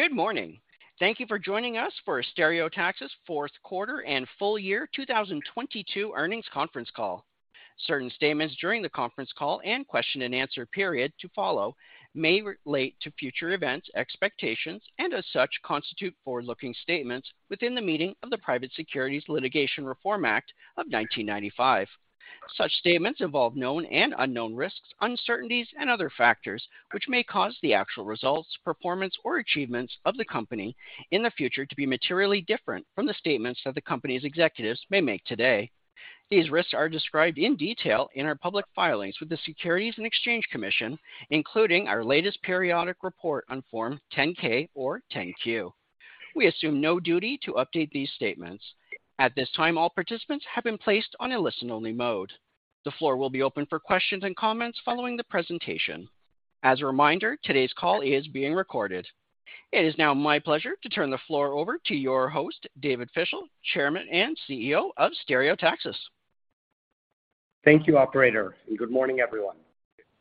Good morning. Thank you for joining us for Stereotaxis fourth quarter and full year 2022 earnings conference call. Certain statements during the conference call and question and answer period to follow may relate to future events, expectations, and as such, constitute forward-looking statements within the meaning of the Private Securities Litigation Reform Act of 1995. Such statements involve known and unknown risks, uncertainties, and other factors, which may cause the actual results, performance, or achievements of the company in the future to be materially different from the statements that the company's executives may make today. These risks are described in detail in our public filings with the Securities and Exchange Commission, including our latest periodic report on form 10-K or 10-Q. We assume no duty to update these statements. At this time, all participants have been placed on a listen-only mode. The floor will be open for questions and comments following the presentation. As a reminder, today's call is being recorded. It is now my pleasure to turn the floor over to your host, David Fischel, Chairman and CEO of Stereotaxis. Thank you, operator, good morning, everyone.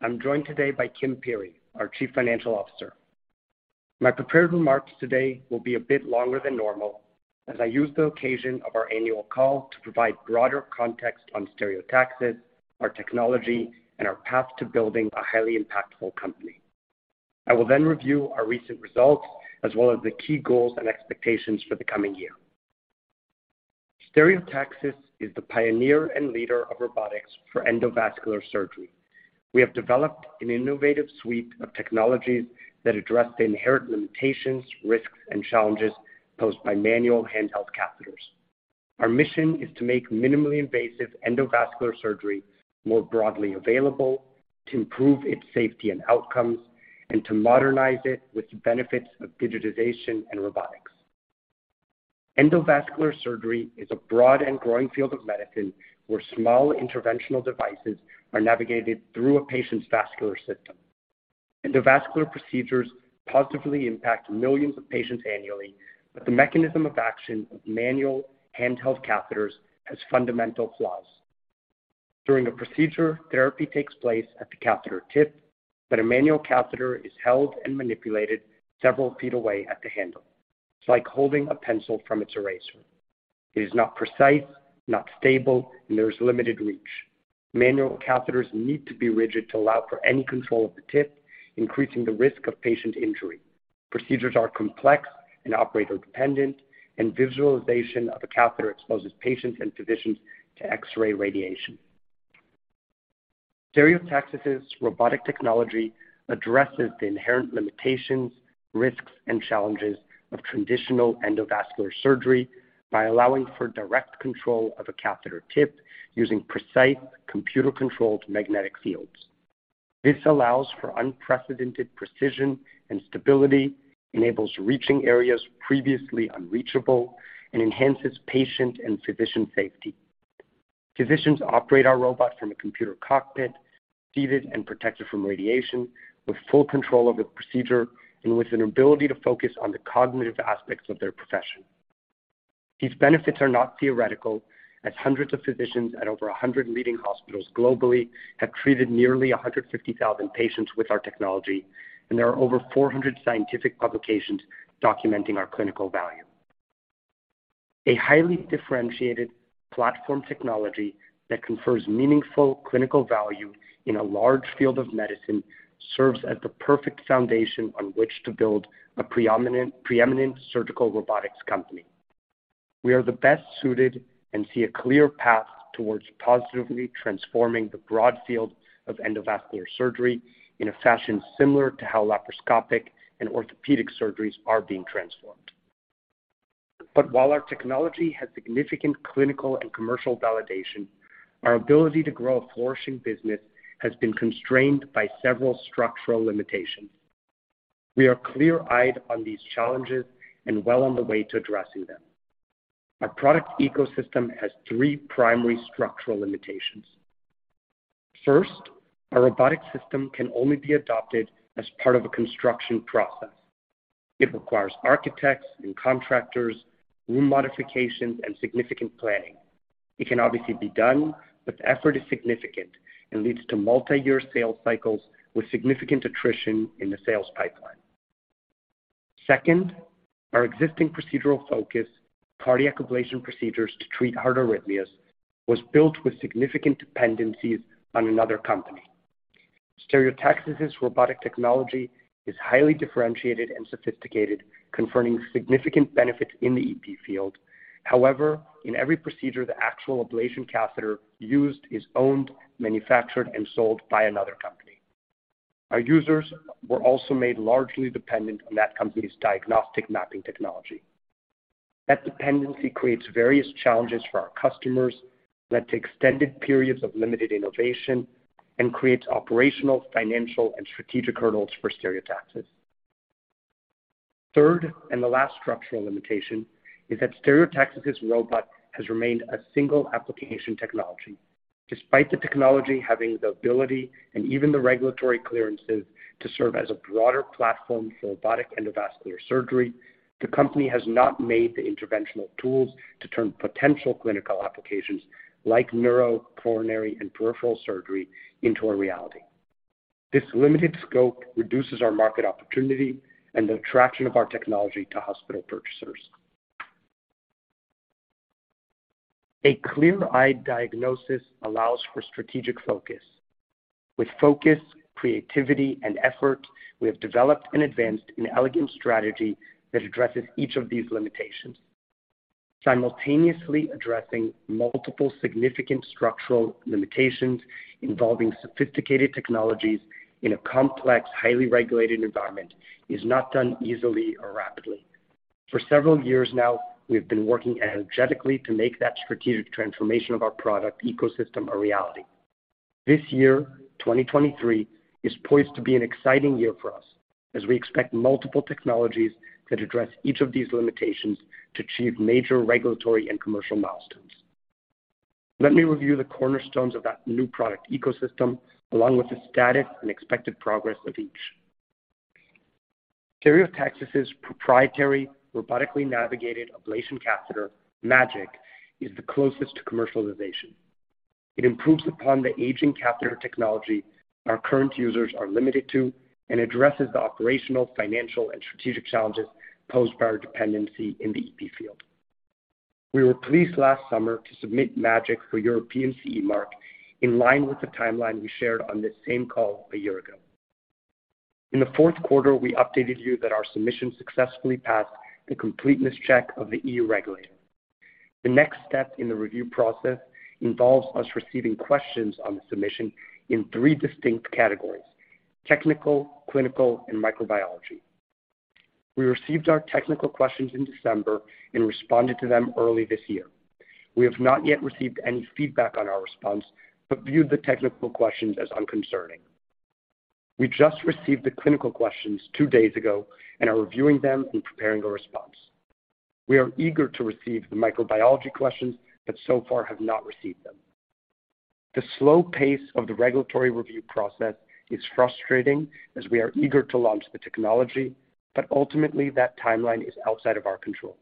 I'm joined today by Kimberly Peery, our Chief Financial Officer. My prepared remarks today will be a bit longer than normal as I use the occasion of our annual call to provide broader context on Stereotaxis, our technology, and our path to building a highly impactful company. I will then review our recent results as well as the key goals and expectations for the coming year. Stereotaxis is the pioneer and leader of robotics for endovascular surgery. We have developed an innovative suite of technologies that address the inherent limitations, risks, and challenges posed by manual handheld catheters. Our mission is to make minimally invasive endovascular surgery more broadly available to improve its safety and outcomes, and to modernize it with the benefits of digitization and robotics. Endovascular surgery is a broad and growing field of medicine where small interventional devices are navigated through a patient's vascular system. Endovascular procedures positively impact millions of patients annually, but the mechanism of action of manual handheld catheters has fundamental flaws. During a procedure, therapy takes place at the catheter tip, but a manual catheter is held and manipulated several feet away at the handle. It's like holding a pencil from its eraser. It is not precise, not stable, and there is limited reach. Manual catheters need to be rigid to allow for any control of the tip, increasing the risk of patient injury. Procedures are complex and operator dependent, and visualization of a catheter exposes patients and physicians to X-ray radiation. Stereotaxis' robotic technology addresses the inherent limitations, risks, and challenges of traditional endovascular surgery by allowing for direct control of a catheter tip using precise computer-controlled magnetic fields. This allows for unprecedented precision and stability, enables reaching areas previously unreachable, and enhances patient and physician safety. Physicians operate our robot from a computer cockpit, seated and protected from radiation with full control over the procedure and with an ability to focus on the cognitive aspects of their profession. These benefits are not theoretical as hundreds of physicians at over 100 leading hospitals globally have treated nearly 150,000 patients with our technology, and there are over 400 scientific publications documenting our clinical value. A highly differentiated platform technology that confers meaningful clinical value in a large field of medicine serves as the perfect foundation on which to build a preeminent surgical robotics company. We are the best suited and see a clear path towards positively transforming the broad field of endovascular surgery in a fashion similar to how laparoscopic and orthopedic surgeries are being transformed. While our technology has significant clinical and commercial validation, our ability to grow a flourishing business has been constrained by several structural limitations. We are clear-eyed on these challenges and well on the way to addressing them. Our product ecosystem has three primary structural limitations. First, our robotic system can only be adopted as part of a construction process. It requires architects and contractors, room modifications, and significant planning. It can obviously be done, the effort is significant and leads to multi-year sales cycles with significant attrition in the sales pipeline. Second, our existing procedural focus, cardiac ablation procedures to treat heart arrhythmias, was built with significant dependencies on another company. Stereotaxis' robotic technology is highly differentiated and sophisticated, conferring significant benefits in the EP field. In every procedure, the actual ablation catheter used is owned, manufactured, and sold by another company. Our users were also made largely dependent on that company's diagnostic mapping technology. That dependency creates various challenges for our customers, led to extended periods of limited innovation and creates operational, financial, and strategic hurdles for Stereotaxis. Third, the last structural limitation is that Stereotaxis' robot has remained a single application technology. Despite the technology having the ability and even the regulatory clearances to serve as a broader platform for robotic endovascular surgery, the company has not made the interventional tools to turn potential clinical applications like neuro, coronary, and peripheral surgery into a reality. This limited scope reduces our market opportunity and the traction of our technology to hospital purchasers. A clear-eyed diagnosis allows for strategic focus. With focus, creativity, and effort, we have developed and advanced an elegant strategy that addresses each of these limitations. Simultaneously addressing multiple significant structural limitations involving sophisticated technologies in a complex, highly regulated environment is not done easily or rapidly. For several years now, we've been working energetically to make that strategic transformation of our product ecosystem a reality. This year, 2023, is poised to be an exciting year for us as we expect multiple technologies that address each of these limitations to achieve major regulatory and commercial milestones. Let me review the cornerstones of that new product ecosystem along with the status and expected progress of each. Stereotaxis' proprietary robotically navigated ablation catheter, MAGiC, is the closest to commercialization. It improves upon the aging catheter technology our current users are limited to and addresses the operational, financial, and strategic challenges posed by our dependency in the EP field. We were pleased last summer to submit MAGiC for European CE mark in line with the timeline we shared on this same call a year ago. In the fourth quarter, we updated you that our submission successfully passed the completeness check of the EU regulator. The next step in the review process involves us receiving questions on the submission in three distinct categories: technical, clinical, and microbiology. We received our technical questions in December and responded to them early this year. We have not yet received any feedback on our response, but viewed the technical questions as unconcerning. We just received the clinical questions two days ago and are reviewing them and preparing a response. We are eager to receive the microbiology questions, but so far have not received them. The slow pace of the regulatory review process is frustrating as we are eager to launch the technology, ultimately that timeline is outside of our control.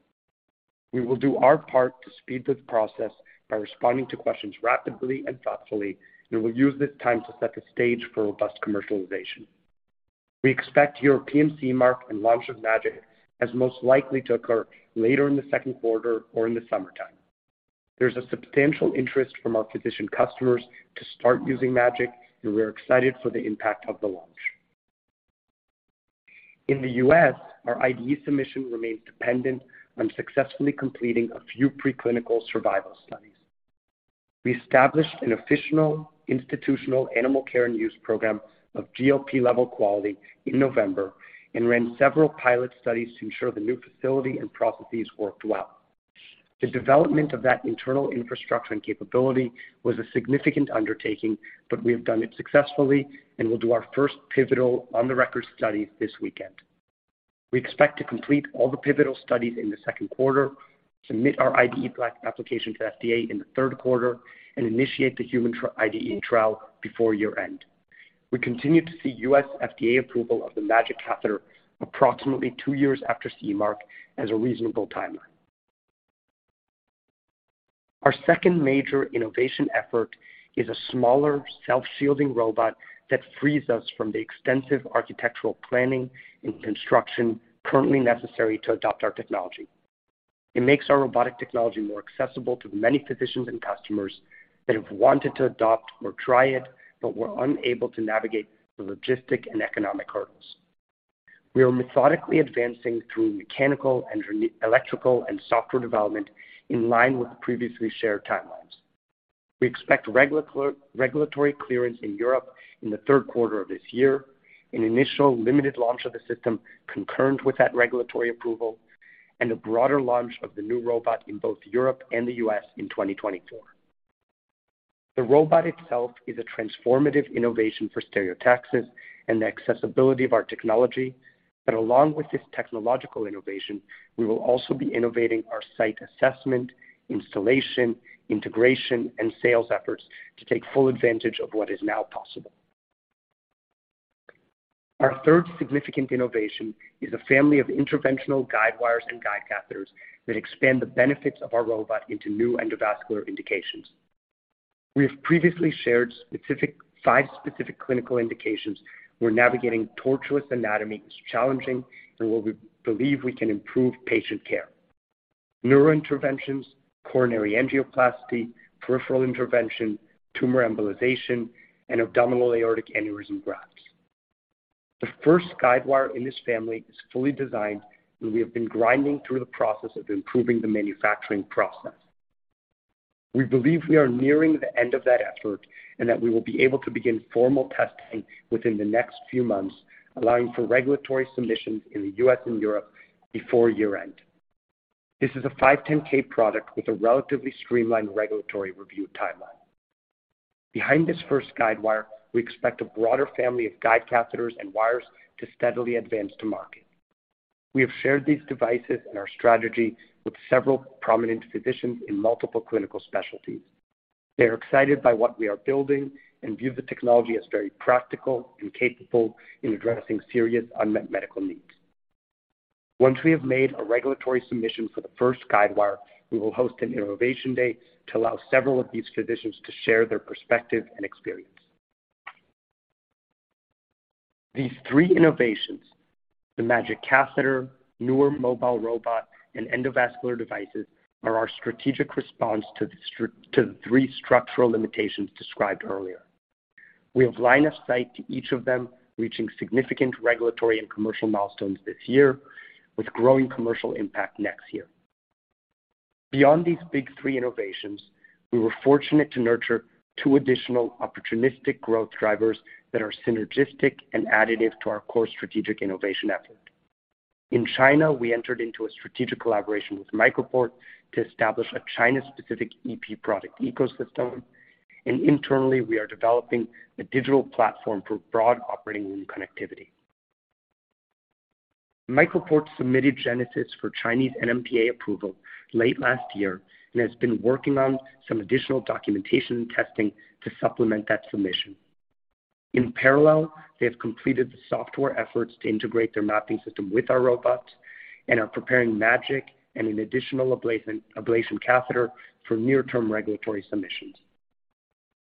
We will do our part to speed the process by responding to questions rapidly and thoughtfully, we'll use this time to set the stage for robust commercialization. We expect European CE mark and launch of MAGiC as most likely to occur later in the second quarter or in the summertime. There's a substantial interest from our physician customers to start using MAGiC, we're excited for the impact of the launch. In the U.S., our IDE submission remains dependent on successfully completing a few preclinical survival studies. We established an official institutional animal care and use program of GLP-level quality in November and ran several pilot studies to ensure the new facility and processes worked well. The development of that internal infrastructure and capability was a significant undertaking, but we have done it successfully and will do our first pivotal on-the-record study this weekend. We expect to complete all the pivotal studies in the second quarter, submit our IDE application to FDA in the third quarter, and initiate the human IDE trial before year-end. We continue to see U.S. FDA approval of the MAGiC catheter approximately two years after CE mark as a reasonable timeline. Our second major innovation effort is a smaller self-shielding robot that frees us from the extensive architectural planning and construction currently necessary to adopt our technology. It makes our robotic technology more accessible to the many physicians and customers that have wanted to adopt or try it but were unable to navigate the logistic and economic hurdles. We are methodically advancing through mechanical and electrical and software development in line with the previously shared timelines. We expect regulatory clearance in Europe in the third quarter of this year, an initial limited launch of the system concurrent with that regulatory approval, and a broader launch of the new robot in both Europe and the U.S. in 2024. The robot itself is a transformative innovation for Stereotaxis and the accessibility of our technology, along with this technological innovation, we will also be innovating our site assessment, installation, integration, and sales efforts to take full advantage of what is now possible. Our third significant innovation is a family of interventional guide wires and guide catheters that expand the benefits of our robot into new endovascular indications. We have previously shared five specific clinical indications where navigating tortuous anatomy is challenging and where we believe we can improve patient care. Neurointerventions, coronary angioplasty, peripheral intervention, tumor embolization, and abdominal aortic aneurysm grafts. The first guide wire in this family is fully designed. We have been grinding through the process of improving the manufacturing process. We believe we are nearing the end of that effort and that we will be able to begin formal testing within the next few months, allowing for regulatory submissions in the U.S. and Europe before year-end. This is a 510(k) product with a relatively streamlined regulatory review timeline. Behind this first guide wire, we expect a broader family of guide catheters and wires to steadily advance to market. We have shared these devices and our strategy with several prominent physicians in multiple clinical specialties. They are excited by what we are building and view the technology as very practical and capable in addressing serious unmet medical needs. Once we have made a regulatory submission for the first guide wire, we will host an innovation day to allow several of these physicians to share their perspective and experience. These three innovations, the MAGiC catheter, newer mobile robot, and endovascular devices, are our strategic response to the three structural limitations described earlier. We have line of sight to each of them reaching significant regulatory and commercial milestones this year, with growing commercial impact next year. Beyond these big three innovations, we were fortunate to nurture two additional opportunistic growth drivers that are synergistic and additive to our core strategic innovation effort. In China, we entered into a strategic collaboration with MicroPort to establish a China-specific EP product ecosystem. Internally, we are developing a digital platform for broad operating room connectivity. MicroPort submitted Genesis for Chinese NMPA approval late last year and has been working on some additional documentation and testing to supplement that submission. In parallel, they have completed the software efforts to integrate their mapping system with our robots and are preparing MAGiC and an additional ablation catheter for near-term regulatory submissions.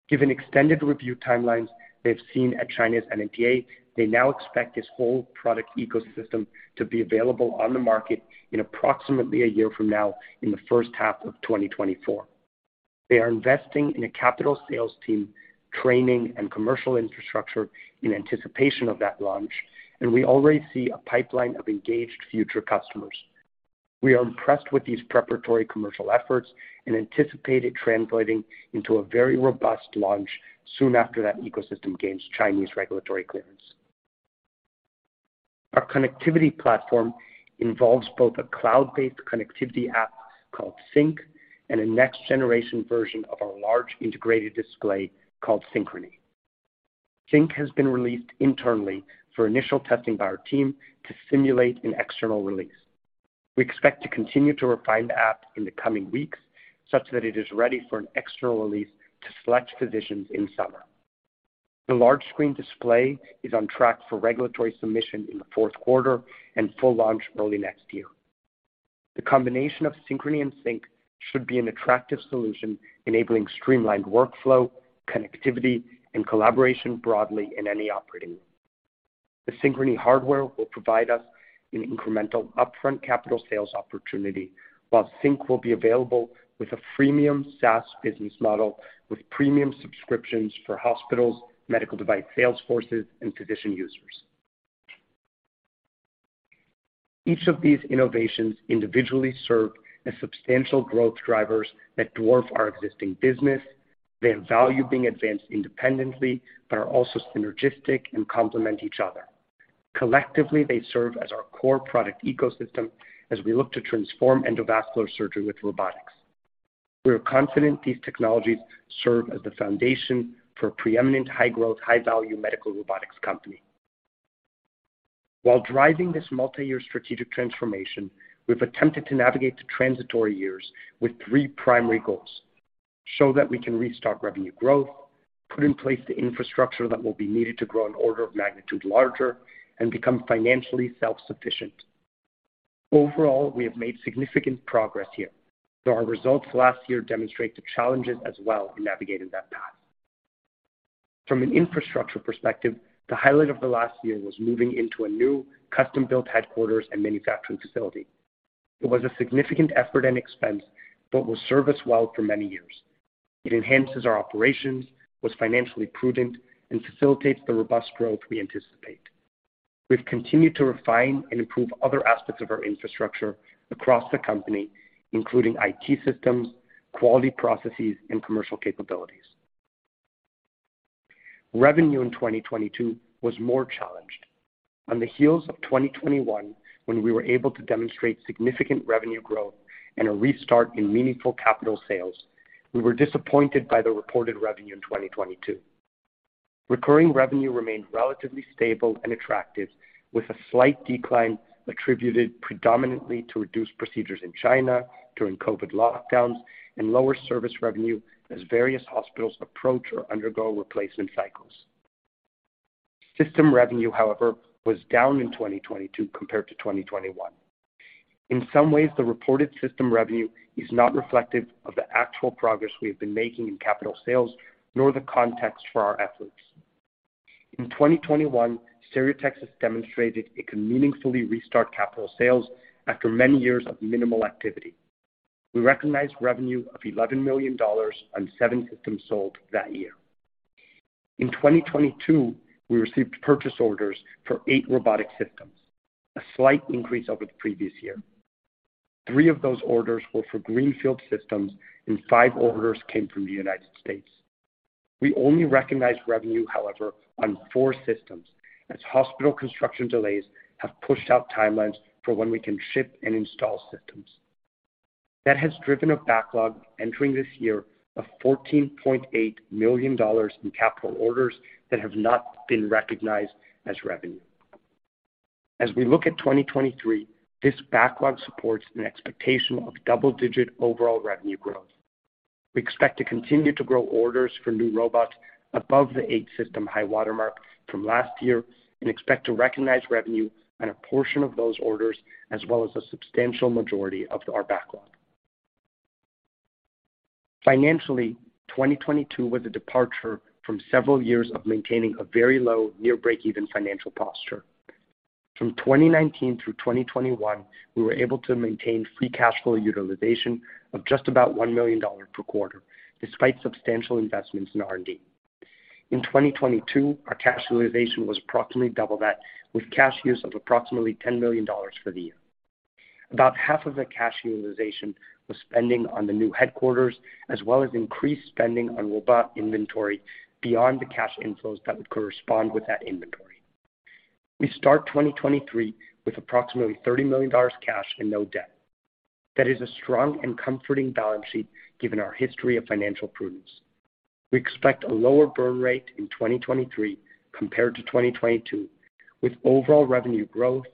Given extended review timelines they have seen at China's NMPA, they now expect this whole product ecosystem to be available on the market in approximately a year from now in the first half of 2024. They are investing in a capital sales team, training, and commercial infrastructure in anticipation of that launch. We already see a pipeline of engaged future customers. We are impressed with these preparatory commercial efforts and anticipate it translating into a very robust launch soon after that ecosystem gains Chinese regulatory clearance. Our connectivity platform involves both a cloud-based connectivity app called SynX and a next generation version of our large integrated display called Synchrony. SynX has been released internally for initial testing by our team to simulate an external release. We expect to continue to refine the app in the coming weeks such that it is ready for an external release to select physicians in summer. The large screen display is on track for regulatory submission in the fourth quarter and full launch early next year. The combination of Synchrony and SynX should be an attractive solution, enabling streamlined workflow, connectivity, and collaboration broadly in any operating room. The Synchrony hardware will provide us an incremental upfront capital sales opportunity, while SynX will be available with a freemium SaaS business model with premium subscriptions for hospitals, medical device sales forces, and physician users. Each of these innovations individually serve as substantial growth drivers that dwarf our existing business. They have value being advanced independently, but are also synergistic and complement each other. Collectively, they serve as our core product ecosystem as we look to transform endovascular surgery with robotics. We are confident these technologies serve as the foundation for a preeminent high-growth, high-value medical robotics company. While driving this multi-year strategic transformation, we've attempted to navigate the transitory years with three primary goals: show that we can restart revenue growth, put in place the infrastructure that will be needed to grow an order of magnitude larger, and become financially self-sufficient. Overall, we have made significant progress here, though our results last year demonstrate the challenges as well in navigating that path. From an infrastructure perspective, the highlight of the last year was moving into a new custom-built headquarters and manufacturing facility. It was a significant effort and expense, will serve us well for many years. It enhances our operations, was financially prudent, and facilitates the robust growth we anticipate. We've continued to refine and improve other aspects of our infrastructure across the company, including IT systems, quality processes, and commercial capabilities. Revenue in 2022 was more challenged. On the heels of 2021, when we were able to demonstrate significant revenue growth and a restart in meaningful capital sales, we were disappointed by the reported revenue in 2022. Recurring revenue remained relatively stable and attractive, with a slight decline attributed predominantly to reduced procedures in China during COVID lockdowns and lower service revenue as various hospitals approach or undergo replacement cycles. System revenue, however, was down in 2022 compared to 2021. In some ways, the reported system revenue is not reflective of the actual progress we have been making in capital sales, nor the context for our efforts. In 2021, Stereotaxis demonstrated it could meaningfully restart capital sales after many years of minimal activity. We recognized revenue of $11 million on seven systems sold that year. In 2022, we received purchase orders for eight robotic systems, a slight increase over the previous year. Three of those orders were for greenfield systems, and five orders came from the United States. We only recognized revenue, however, on four systems, as hospital construction delays have pushed out timelines for when we can ship and install systems. That has driven a backlog entering this year of $14.8 million in capital orders that have not been recognized as revenue. As we look at 2023, this backlog supports an expectation of double-digit overall revenue growth. We expect to continue to grow orders for new robots above the eight system high watermark from last year and expect to recognize revenue on a portion of those orders as well as a substantial majority of our backlog. Financially, 2022 was a departure from several years of maintaining a very low near break-even financial posture. From 2019 through 2021, we were able to maintain free cash flow utilization of just about $1 million per quarter despite substantial investments in R&D. In 2022, our cash utilization was approximately double that, with cash use of approximately $10 million for the year. About half of the cash utilization was spending on the new headquarters as well as increased spending on robot inventory beyond the cash inflows that would correspond with that inventory. We start 2023 with approximately $30 million cash and no debt. That is a strong and comforting balance sheet given our history of financial prudence. We expect a lower burn rate in 2023 compared to 2022, with overall revenue growth,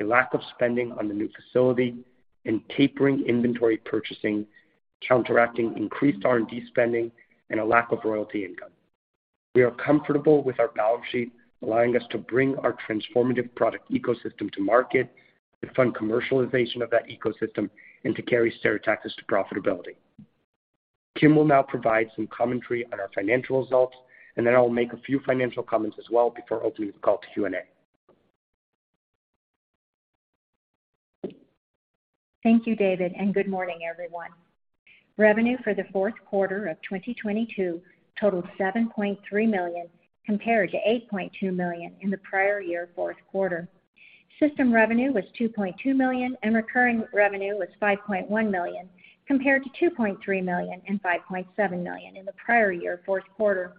a lack of spending on the new facility, and tapering inventory purchasing, counteracting increased R&D spending and a lack of royalty income. We are comfortable with our balance sheet allowing us to bring our transformative product ecosystem to market, to fund commercialization of that ecosystem, and to carry Stereotaxis to profitability. Kim will now provide some commentary on our financial results, and then I will make a few financial comments as well before opening the call to Q&A. Thank you, David. Good morning, everyone. Revenue for the fourth quarter of 2022 totaled $7.3 million compared to $8.2 million in the prior year fourth quarter. System revenue was $2.2 million, and recurring revenue was $5.1 million, compared to $2.3 million and $5.7 million in the prior year fourth quarter.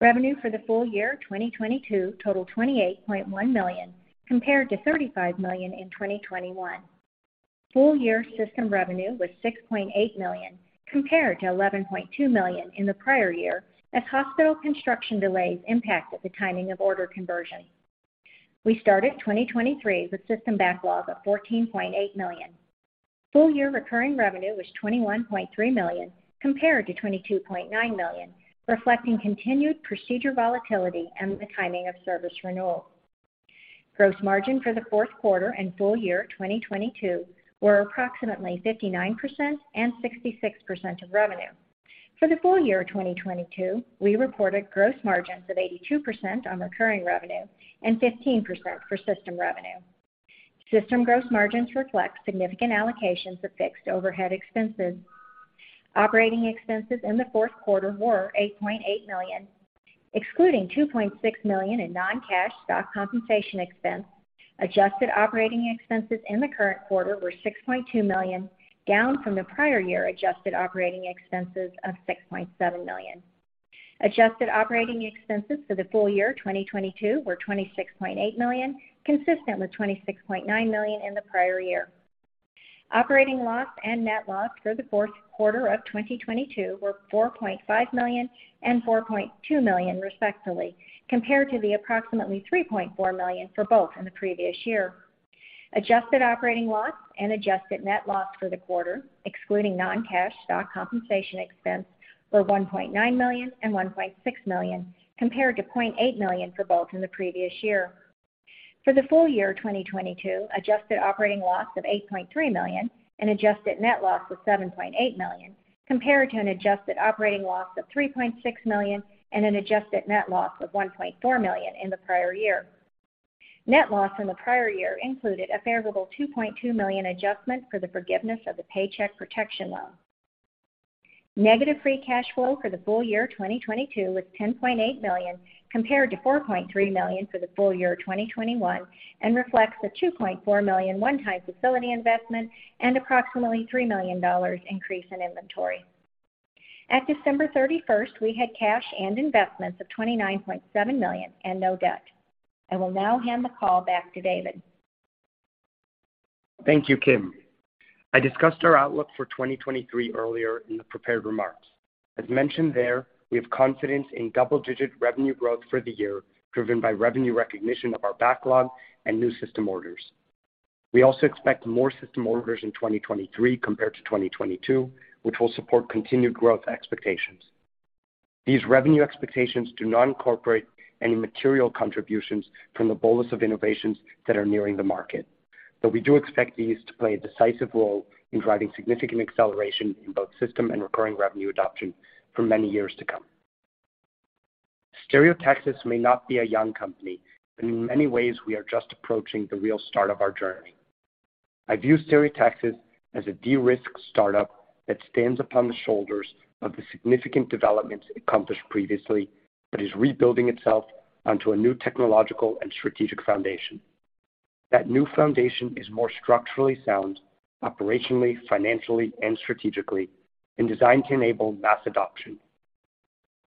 Revenue for the full year 2022 totaled $28.1 million, compared to $35 million in 2021. Full year system revenue was $6.8 million, compared to $11.2 million in the prior year as hospital construction delays impacted the timing of order conversion. We started 2023 with system backlog of $14.8 million. Full year recurring revenue was $21.3 million, compared to $22.9 million, reflecting continued procedure volatility and the timing of service renewal. Gross margin for the fourth quarter and full year 2022 were approximately 59% and 66% of revenue. For the full year of 2022, we reported gross margins of 82% on recurring revenue and 15% for system revenue. System gross margins reflect significant allocations of fixed overhead expenses. Operating expenses in the fourth quarter were $8.8 million, excluding $2.6 million in non-cash stock compensation expense. Adjusted operating expenses in the current quarter were $6.2 million, down from the prior year adjusted operating expenses of $6.7 million. Adjusted operating expenses for the full year 2022 were $26.8 million, consistent with $26.9 million in the prior year. Operating loss and net loss for the fourth quarter of 2022 were $4.5 million and $4.2 million respectively, compared to the approximately $3.4 million for both in the previous year. Adjusted operating loss and adjusted net loss for the quarter, excluding non-cash stock compensation expense, were $1.9 million and $1.6 million, compared to $0.8 million for both in the previous year. For the full year 2022, adjusted operating loss of $8.3 million and adjusted net loss of $7.8 million, compared to an adjusted operating loss of $3.6 million and an adjusted net loss of $1.4 million in the prior year. Net loss in the prior year included a favorable $2.2 million adjustment for the forgiveness of the Paycheck Protection loan. Negative free cash flow for the full year 2022 was $10.8 million, compared to $4.3 million for the full year 2021. Reflects a $2.4 million one-time facility investment and approximately $3 million increase in inventory. At December 31st, we had cash and investments of $29.7 million and no debt. I will now hand the call back to David. Thank you, Kim. I discussed our outlook for 2023 earlier in the prepared remarks. As mentioned there, we have confidence in double-digit revenue growth for the year, driven by revenue recognition of our backlog and new system orders. We also expect more system orders in 2023 compared to 2022, which will support continued growth expectations. These revenue expectations do not incorporate any material contributions from the bolus of innovations that are nearing the market, but we do expect these to play a decisive role in driving significant acceleration in both system and recurring revenue adoption for many years to come. Stereotaxis may not be a young company, but in many ways, we are just approaching the real start of our journey. I view Stereotaxis as a de-risked startup that stands upon the shoulders of the significant developments accomplished previously but is rebuilding itself onto a new technological and strategic foundation. That new foundation is more structurally sound operationally, financially, and strategically, and designed to enable mass adoption.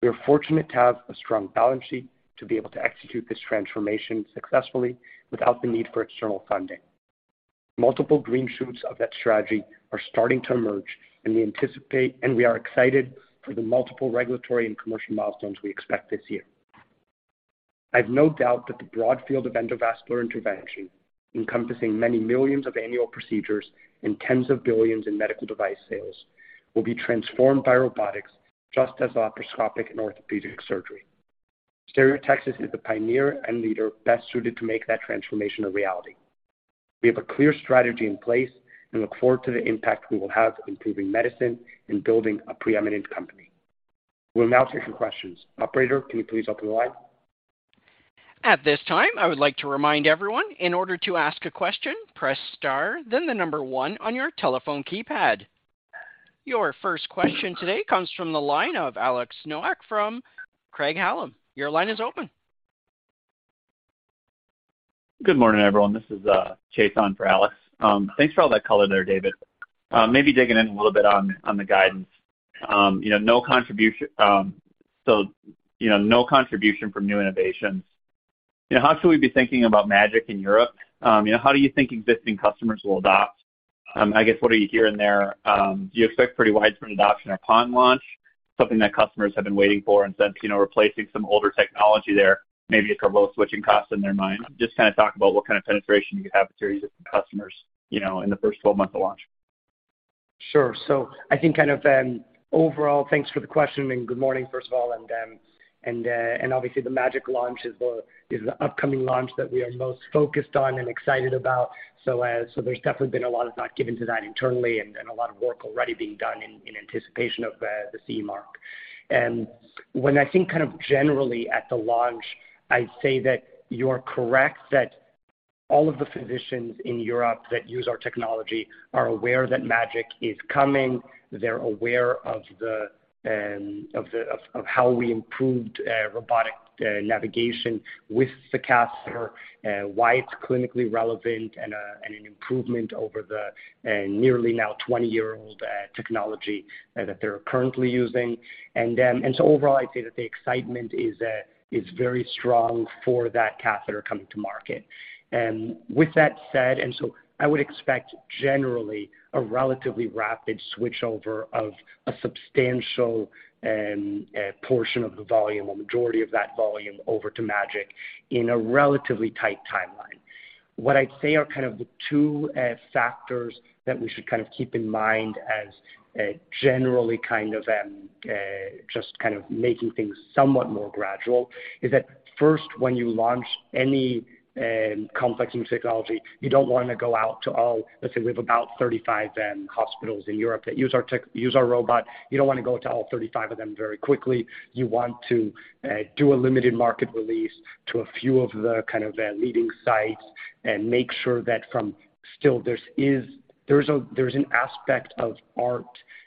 We are fortunate to have a strong balance sheet to be able to execute this transformation successfully without the need for external funding. Multiple green shoots of that strategy are starting to emerge, and we anticipate and we are excited for the multiple regulatory and commercial milestones we expect this year. I have no doubt that the broad field of endovascular intervention, encompassing many millions of annual procedures and tens of billions in medical device sales, will be transformed by robotics just as laparoscopic and orthopedic surgery. Stereotaxis is the pioneer and leader best suited to make that transformation a reality. We have a clear strategy in place and look forward to the impact we will have on improving medicine and building a preeminent company. We'll now take some questions. Operator, can you please open the line? At this time, I would like to remind everyone in order to ask a question, press star, then the number one on your telephone keypad. Your first question today comes from the line of Alex Nowak from Craig-Hallum. Your line is open. Good morning, everyone. This is Chase on for Alex. Thanks for all that color there, David. Maybe digging in a little bit on the guidance. You know, no contribution, you know, no contribution from new innovations. You know, how should we be thinking about MAGiC in Europe? You know, how do you think existing customers will adopt? I guess what are you hearing there? Do you expect pretty widespread adoption upon launch, something that customers have been waiting for in sense, you know, replacing some older technology there, maybe a couple of switching costs in their mind? Just kinda talk about what kind of penetration you could have with your existing customers, you know, in the first full month of launch. Sure. I think kind of overall, thanks for the question and good morning, first of all. Obviously the MAGiC launch is the upcoming launch that we are most focused on and excited about. There's definitely been a lot of thought given to that internally and a lot of work already being done in anticipation of the CE mark. When I think kind of generally at the launch, I'd say that you're correct that all of the physicians in Europe that use our technology are aware that MAGiC is coming. They're aware of the, of how we improved robotic navigation with the catheter, why it's clinically relevant and an improvement over the nearly now 20-year-old technology that they're currently using. Overall, I'd say that the excitement is very strong for that catheter coming to market. With that said, I would expect generally a relatively rapid switchover of a substantial portion of the volume or majority of that volume over to MAGiC in a relatively tight timeline. What I'd say are the two factors that we should keep in mind as generally making things somewhat more gradual is that first, when you launch any complex new technology, you don't wanna go out to all. Let's say we have about 35 hospitals in Europe that use our robot. You don't wanna go to all 35 of them very quickly. You want to do a limited market release to a few of the kind of leading sites and make sure that from... Still there's an aspect of art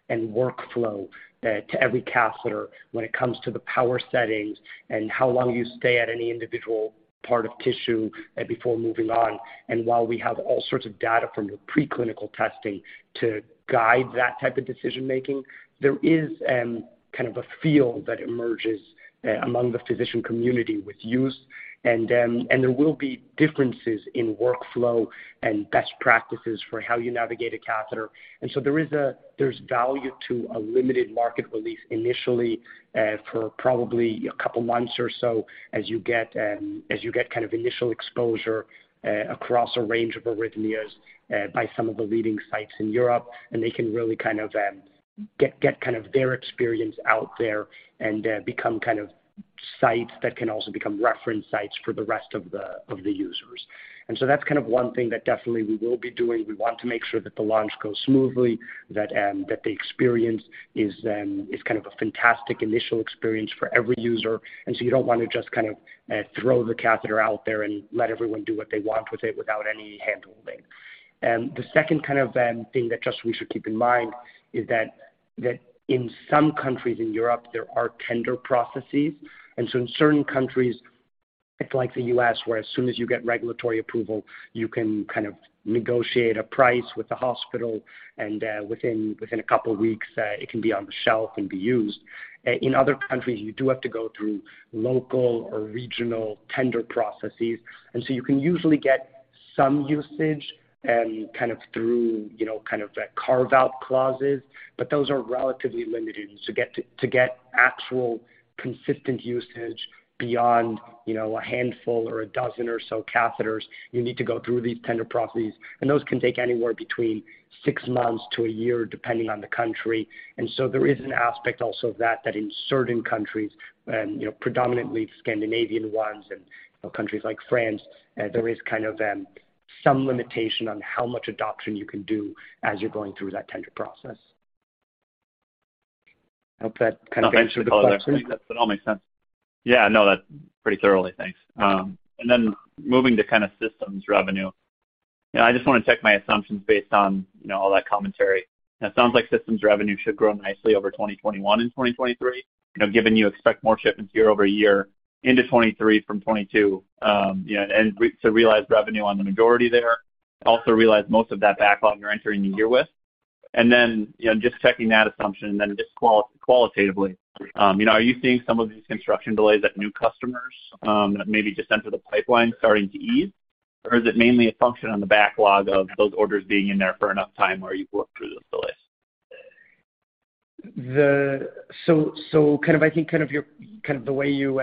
and workflow to every catheter when it comes to the power settings and how long you stay at any individual part of tissue before moving on. While we have all sorts of data from the preclinical testing to guide that type of decision-making, there is kind of a feel that emerges among the physician community with use. There will be differences in workflow and best practices for how you navigate a catheter. There's value to a limited market release initially, for probably two months or so as you get kind of initial exposure across a range of arrhythmias by some of the leading sites in Europe, and they can really kind of get kind of their experience out there and become kind of sites that can also become reference sites for the rest of the users. That's kind of one thing that definitely we will be doing. We want to make sure that the launch goes smoothly, that the experience is kind of a fantastic initial experience for every user. You don't wanna just kind of throw the catheter out there and let everyone do what they want with it without any hand-holding. The second kind of thing that just we should keep in mind is that in some countries in Europe, there are tender processes. In certain countries, it's like the US, where as soon as you get regulatory approval, you can kind of negotiate a price with the hospital, and within a couple weeks, it can be on the shelf and be used. In other countries, you do have to go through local or regional tender processes, you can usually get some usage, kind of through, you know, kind of the carve-out clauses, but those are relatively limited. To get to get actual consistent usage beyond, you know, a handful or 12 or so catheters, you need to go through these tender processes, and those can take anywhere between six months to a year, depending on the country. There is an aspect also that in certain countries, you know, predominantly Scandinavian ones and countries like France, there is kind of some limitation on how much adoption you can do as you're going through that tender process. Hope that kind of answers the question. No, thanks for the color there. I think that all makes sense. Yeah, no, that's pretty thoroughly. Thanks. Moving to kind of systems revenue. You know, I just want to check my assumptions based on, you know, all that commentary. It sounds like systems revenue should grow nicely over 2021 and 2023. You know, given you expect more shipments year-over-year into 23 from 22, so realized revenue on the majority there, also realized most of that backlog you're entering the year with. You know, just checking that assumption and then just qualitatively, you know, are you seeing some of these construction delays at new customers that maybe just enter the pipeline starting to ease? Is it mainly a function on the backlog of those orders being in there for enough time where you've worked through those delays? So I think the way you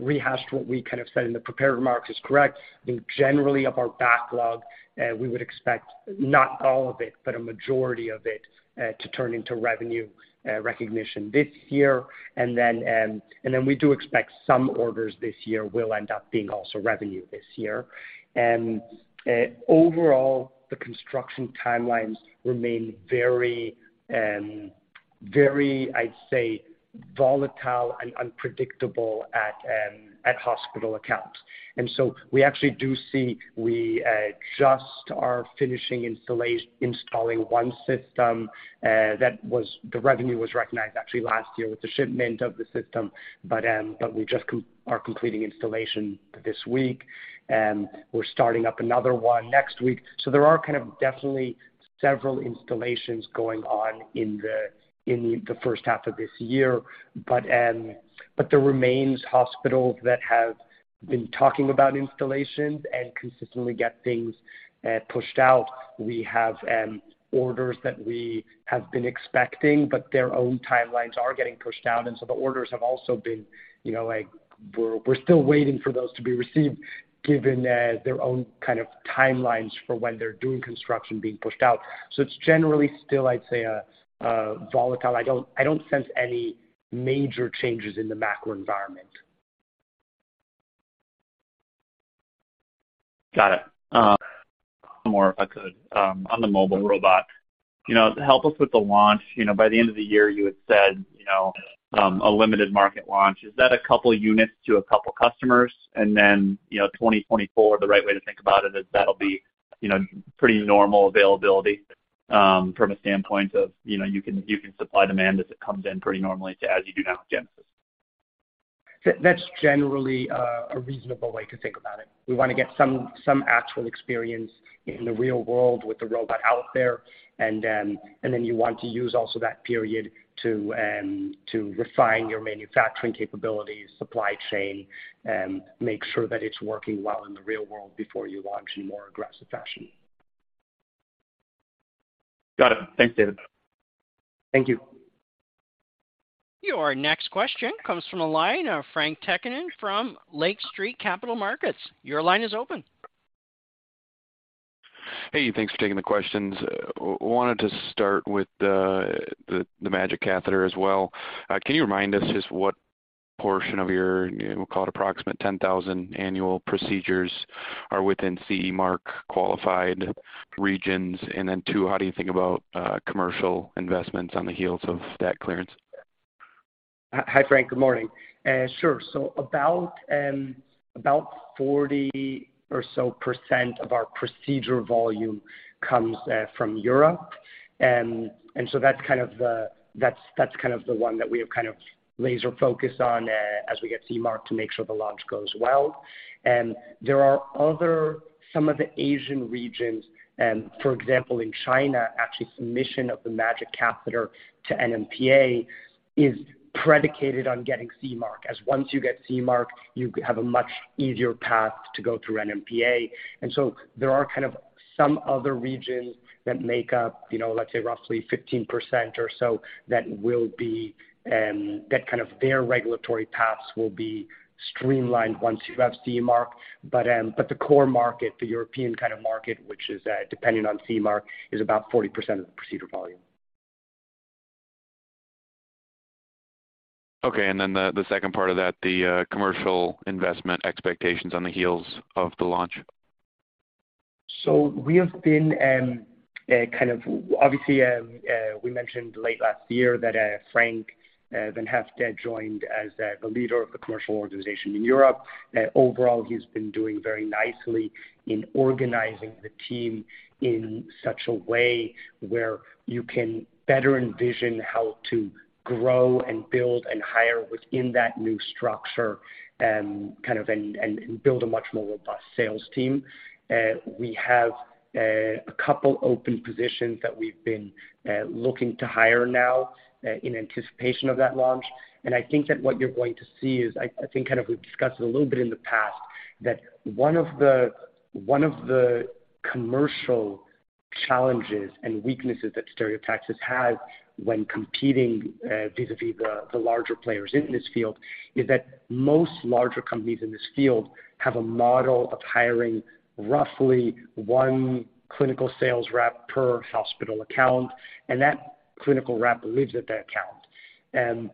rehashed what we kind of said in the prepared remarks is correct. I think generally of our backlog, we would expect not all of it, but a majority of it, to turn into revenue recognition this year. We do expect some orders this year will end up being also revenue this year. Overall, the construction timelines remain very, very, I'd say, volatile and unpredictable at hospital accounts. We actually do see we just are finishing installing one system that the revenue was recognized actually last year with the shipment of the system. We just are completing installation this week, and we're starting up another one next week. There are kind of definitely several installations going on in the first half of this year. But there remains hospitals that have been talking about installations and consistently get things pushed out. We have orders that we have been expecting, but their own timelines are getting pushed out, the orders have also been, you know, like we're still waiting for those to be received given their own kind of timelines for when they're doing construction being pushed out. It's generally still, I'd say a volatile. I don't sense any major changes in the macro environment. Got it. More if I could on the mobile robot. You know, to help us with the launch, you know, by the end of the year, you had said, you know, a limited market launch. Is that a couple units to a couple customers? You know, 2024, the right way to think about it is that'll be, you know, pretty normal availability from a standpoint of, you know, you can, you can supply demand as it comes in pretty normally to as you do now with Genesis. That's generally a reasonable way to think about it. We wanna get some actual experience in the real world with the robot out there. Then you want to use also that period to refine your manufacturing capabilities, supply chain, make sure that it's working well in the real world before you launch in more aggressive fashion. Got it. Thanks, David. Thank you. Your next question comes from the line of Frank Takkinen from Lake Street Capital Markets. Your line is open. Hey, thanks for taking the questions. Wanted to start with the MAGiC Catheter as well. Can you remind us just what portion of your, we'll call it approximate 10,000 annual procedures are within CE mark qualified regions? Then two, how do you think about commercial investments on the heels of that clearance? Hi, Frank. Good morning. Sure. About 40% or so of our procedure volume comes from Europe. That's kind of the one that we have kind of laser focused on as we get CE Mark to make sure the launch goes well. There are other. Some of the Asian regions, for example, in China, actually submission of the MAGiC Catheter to NMPA is predicated on getting CE Mark as once you get CE Mark, you have a much easier path to go through NMPA. There are kind of some other regions that make up, you know, let's say roughly 15% or so that will be that kind of their regulatory paths will be streamlined once you have CE Mark. The core market, the European kind of market, which is, dependent on CE Mark, is about 40% of the procedure volume. Okay. The second part of that, the commercial investment expectations on the heels of the launch. We have been, we mentioned late last year that Frank Van Hyfte joined as the leader of the commercial organization in Europe. Overall, he's been doing very nicely in organizing the team in such a way where you can better envision how to grow and build and hire within that new structure, and build a much more robust sales team. We have a couple open positions that we've been looking to hire now in anticipation of that launch. I think that what you're going to see is, I think kind of we've discussed it a little bit in the past, that one of the commercial challenges and weaknesses that Stereotaxis has when competing vis-à-vis the larger players in this field is that most larger companies in this field have a model of hiring roughly one clinical sales rep per hospital account, and that clinical rep lives at that account.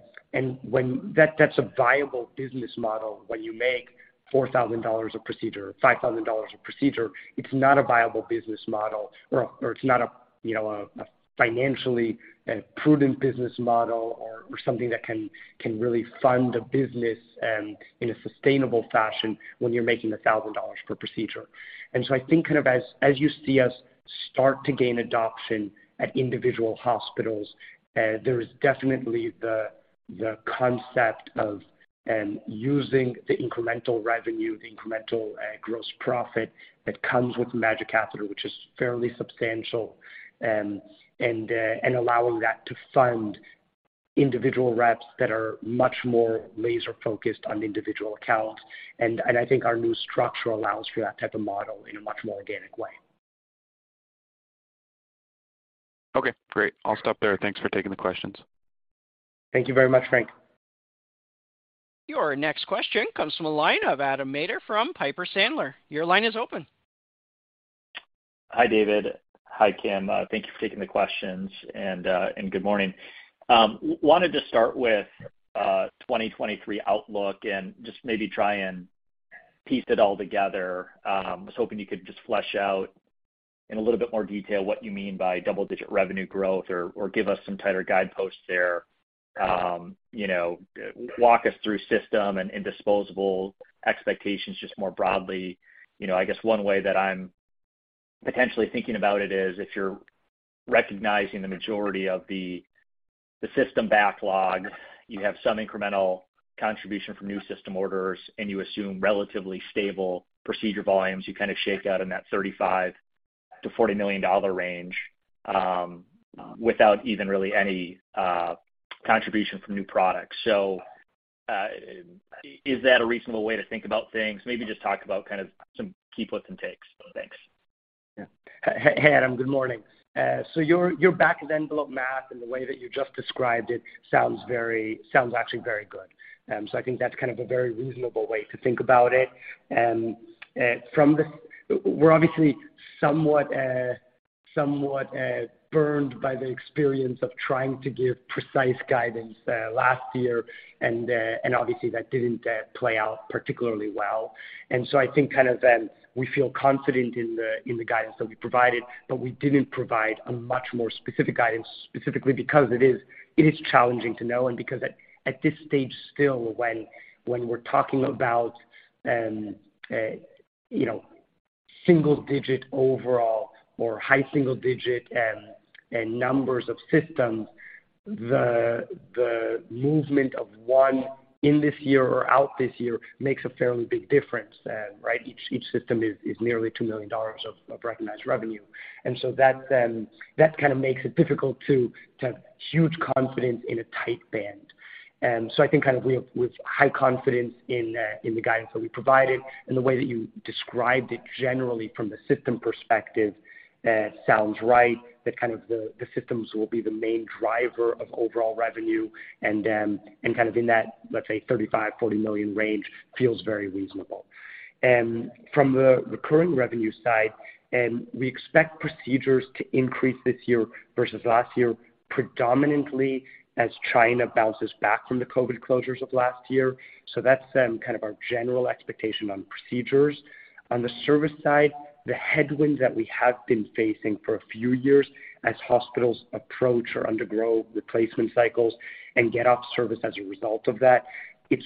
When that's a viable business model when you make $4,000 a procedure or $5,000 a procedure, it's not a viable business model or it's not a, you know, a financially prudent business model or something that can really fund a business in a sustainable fashion when you're making $1,000 per procedure. I think kind of as you see us start to gain adoption at individual hospitals, there is definitely the concept of using the incremental revenue, the incremental gross profit that comes with MAGiC Catheter, which is fairly substantial, and allowing that to fund individual reps that are much more laser-focused on individual accounts. I think our new structure allows for that type of model in a much more organic way. Okay, great. I'll stop there. Thanks for taking the questions. Thank you very much, Frank. Your next question comes from the line of Adam Maeder from Piper Sandler. Your line is open. Hi, David. Hi, Kim. Thank you for taking the questions and good morning. wanted to start with 2023 outlook and just maybe try and piece it all together. Was hoping you could just flesh out in a little bit more detail what you mean by double-digit revenue growth or give us some tighter guideposts there. You know, walk us through system and indisposable expectations just more broadly. You know, I guess one way that I'm potentially thinking about it is if you're recognizing the majority of the system backlog, you have some incremental contribution from new system orders, and you assume relatively stable procedure volumes, you kind of shake out in that $35 million-$40 million range without even really any contribution from new products. Is that a reasonable way to think about things? Maybe just talk about kind of some key puts and takes. Thanks. Yeah. Hey, Adam. Good morning. Your back of the envelope math and the way that you just described it sounds actually very good. I think that's kind of a very reasonable way to think about it. From the... We're obviously somewhat burned by the experience of trying to give precise guidance last year, obviously that didn't play out particularly well. I think kind of, we feel confident in the guidance that we provided, but we didn't provide a much more specific guidance specifically because it is challenging to know and because at this stage still when we're talking about, you know, single digit overall or high single digit numbers of systems, the movement of one in this year or out this year makes a fairly big difference, right? Each system is nearly $2 million of recognized revenue. That kind of makes it difficult to have huge confidence in a tight band. I think kind of we have with high confidence in the guidance that we provided and the way that you described it generally from the system perspective, sounds right, that kind of the systems will be the main driver of overall revenue. Kind of in that, let's say $35 million-$40 million range feels very reasonable. From the recurring revenue side, we expect procedures to increase this year versus last year, predominantly as China bounces back from the COVID closures of last year. That's kind of our general expectation on procedures. On the service side, the headwinds that we have been facing for a few years as hospitals approach or undergo replacement cycles and get off service as a result of that, it's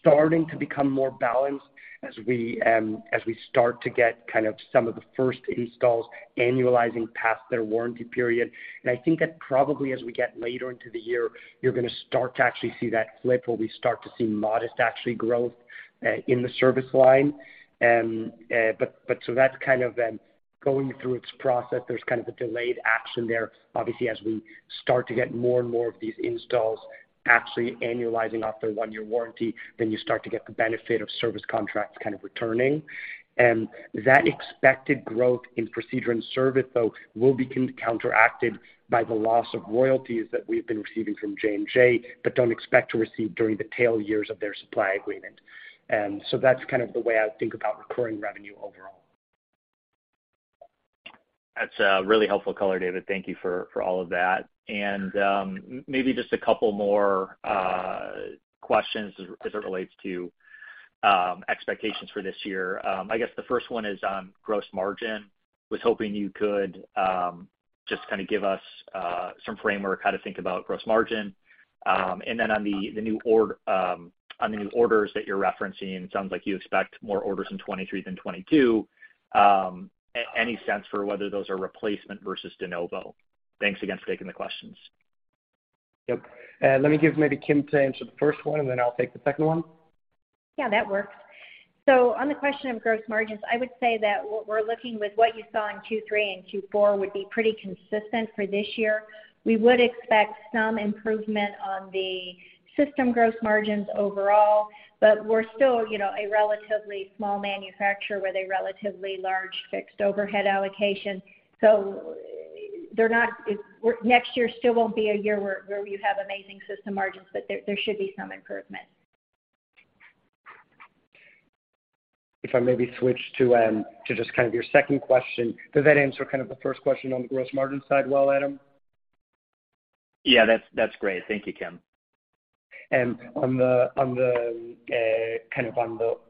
starting to become more balanced as we, as we start to get kind of some of the first installs annualizing past their warranty period. I think that probably as we get later into the year, you're gonna start to actually see that flip where we start to see modest actually growth, in the service line. So that's kind of going through its process. There's kind of a delayed action there. Obviously, as we start to get more and more of these installs actually annualizing off their one-year warranty, then you start to get the benefit of service contracts kind of returning. That expected growth in procedure and service, though, will be counteracted by the loss of royalties that we've been receiving from J&J but don't expect to receive during the tail years of their supply agreement. That's kind of the way I would think about recurring revenue overall. That's a really helpful color, David. Thank you for all of that. Maybe just a couple more questions as it relates to expectations for this year. I guess the first one is on gross margin. Was hoping you could just kind of give us some framework how to think about gross margin. Then on the new orders that you're referencing, sounds like you expect more orders in 23 than 22. Any sense for whether those are replacement versus de novo. Thanks again for taking the questions. Yep. Let me give maybe Kim to answer the first one, and then I'll take the second one. Yeah, that works. On the question of gross margins, I would say that what we're looking with what you saw in Q3 and Q4 would be pretty consistent for this year. We would expect some improvement on the system gross margins overall, but we're still, you know, a relatively small manufacturer with a relatively large fixed overhead allocation. Next year still won't be a year where we have amazing system margins, but there should be some improvement. I maybe switch to just kind of your second question. Does that answer kind of the first question on the gross margin side well, Adam? Yeah, that's great. Thank you, Kim. On the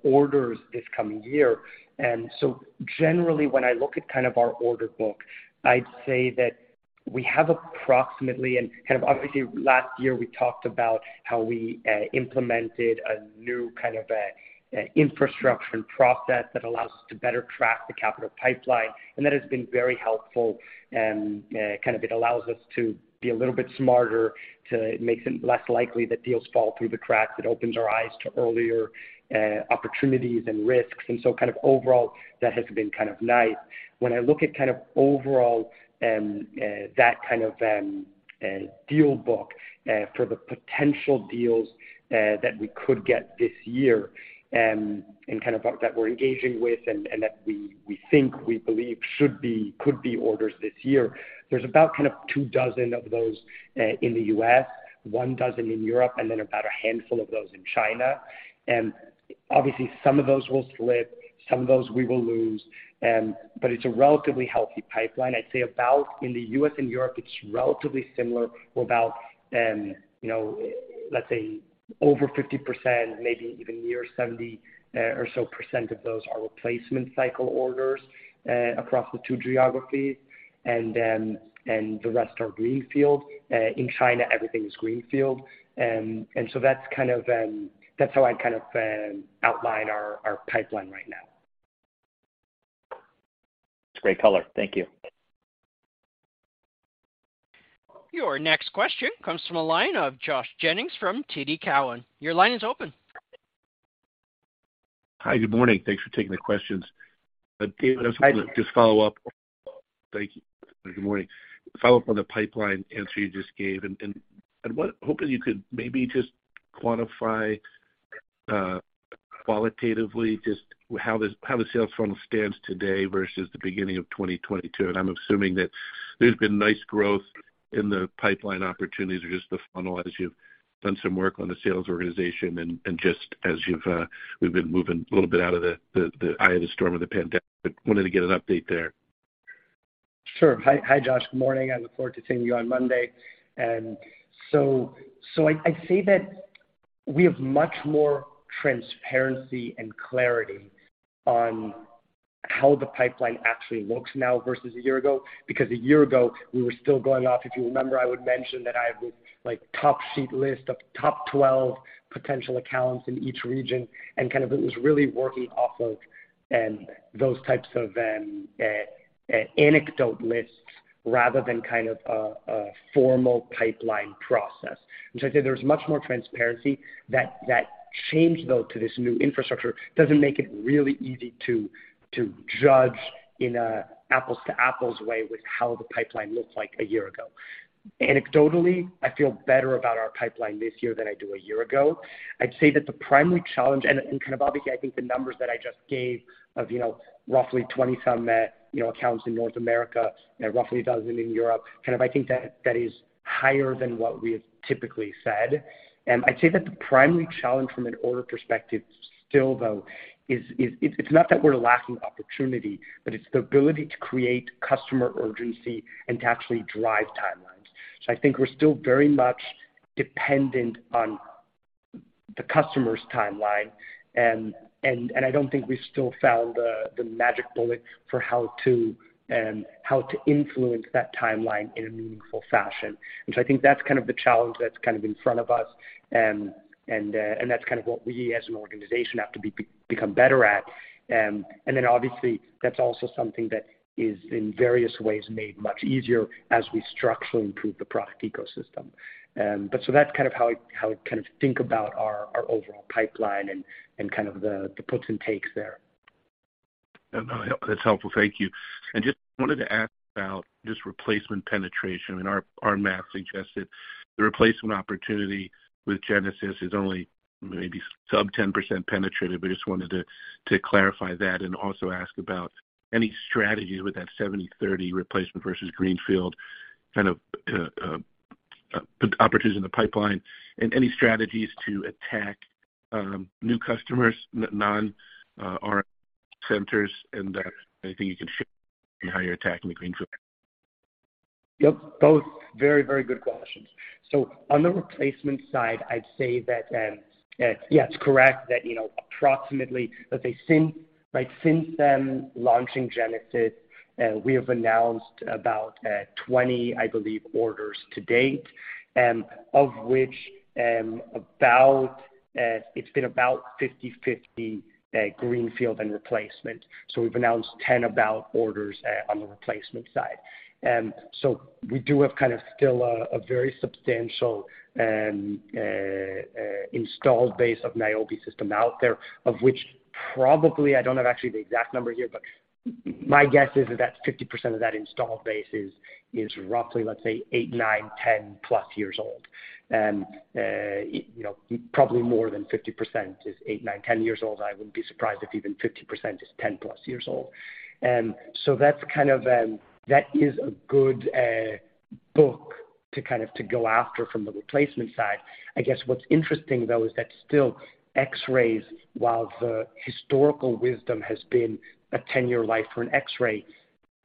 orders this coming year, generally when I look at our order book, I'd say that. We have approximately and obviously last year we talked about how we implemented a new a infrastructure and process that allows us to better track the capital pipeline, and that has been very helpful. It allows us to be a little bit smarter, to make them less likely that deals fall through the cracks. It opens our eyes to earlier opportunities and risks. Overall that has been nice. When I look at kind of overall and that kind of deal book for the potential deals that we could get this year, and kind of what that we're engaging with and that we think we believe should be, could be orders this year, there's about kind of two dozen of those in the U.S., one dozen in Europe, and then about a handful of those in China. Obviously some of those will slip, some of those we will lose. It's a relatively healthy pipeline. I'd say about in the U.S. and Europe, it's relatively similar with about, you know, let's say over 50%, maybe even near 70% or so of those are replacement cycle orders across the two geographies and the rest are greenfield. In China, everything is greenfield. That's kind of, that's how I kind of, outline our pipeline right now. Great color. Thank you. Your next question comes from the line of Josh Jennings from TD Cowen. Your line is open. Hi, good morning. Thanks for taking the questions. David. Hi, Josh. I just follow up. Thank you. Good morning. Follow up on the pipeline answer you just gave. I was hoping you could maybe just quantify qualitatively just how the sales funnel stands today versus the beginning of 2022. I'm assuming that there's been nice growth in the pipeline opportunities or just the funnel as you've done some work on the sales organization and just as you've we've been moving a little bit out of the eye of the storm of the pandemic. Wanted to get an update there. Sure. Hi, Josh. Good morning. I look forward to seeing you on Monday. I say that we have much more transparency and clarity on how the pipeline actually looks now versus a year ago, because a year ago we were still going off. If you remember, I would mention that I have this like top sheet list of top 12 potential accounts in each region and kind of it was really working off of those types of anecdote lists rather than kind of a formal pipeline process. I'd say there's much more transparency that change though to this new infrastructure doesn't make it really easy to judge in a apples to apples way with how the pipeline looked like a year ago. Anecdotally, I feel better about our pipeline this year than I do a year ago. I'd say that the primary challenge and kind of obviously, I think the numbers that I just gave of, you know, roughly 20 some, you know, accounts in North America and roughly 12 in Europe, kind of I think that that is higher than what we have typically said. I'd say that the primary challenge from an order perspective still though is it's not that we're lacking opportunity, but it's the ability to create customer urgency and to actually drive timelines. I think we're still very much dependent on the customer's timeline. And, and I don't think we've still found the magic bullet for how to, how to influence that timeline in a meaningful fashion, which I think that's kind of the challenge that's kind of in front of us. That's kind of what we as an organization have to become better at. Then obviously that's also something that is in various ways made much easier as we structurally improve the product ecosystem. That's kind of how I, how I kind of think about our overall pipeline and kind of the puts and takes there. No, that's helpful. Thank you. Just wanted to ask about just replacement penetration and our math suggested the replacement opportunity with Genesis is only maybe sub 10% penetrative. I just wanted to clarify that and also ask about any strategies with that 70/30 replacement versus greenfield kind of opportunities in the pipeline and any strategies to attack new customers, non RM centers and anything you can share how you're attacking the greenfield. Yep. Both very, very good questions. On the replacement side, I'd say that, yeah, it's correct that, you know, approximately since, right, since launching Genesis, we have announced about 20, I believe, orders to date, of which it's been about 50/50 greenfield and replacement. We've announced 10 about orders on the replacement side. We do have kind of still a very substantial installed base of Niobe system out there, of which probably I don't have actually the exact number here, but my guess is that 50% of that installed base is roughly, let's say, eight, nine, 10 plus years old. You know, probably more than 50% is eight, nine, 10 years old. I wouldn't be surprised if even 50% is 10+ years old. That's kind of that is a good book to go after from the replacement side. I guess what's interesting though is that still X-rays, while the historical wisdom has been a 10-year life for an X-ray,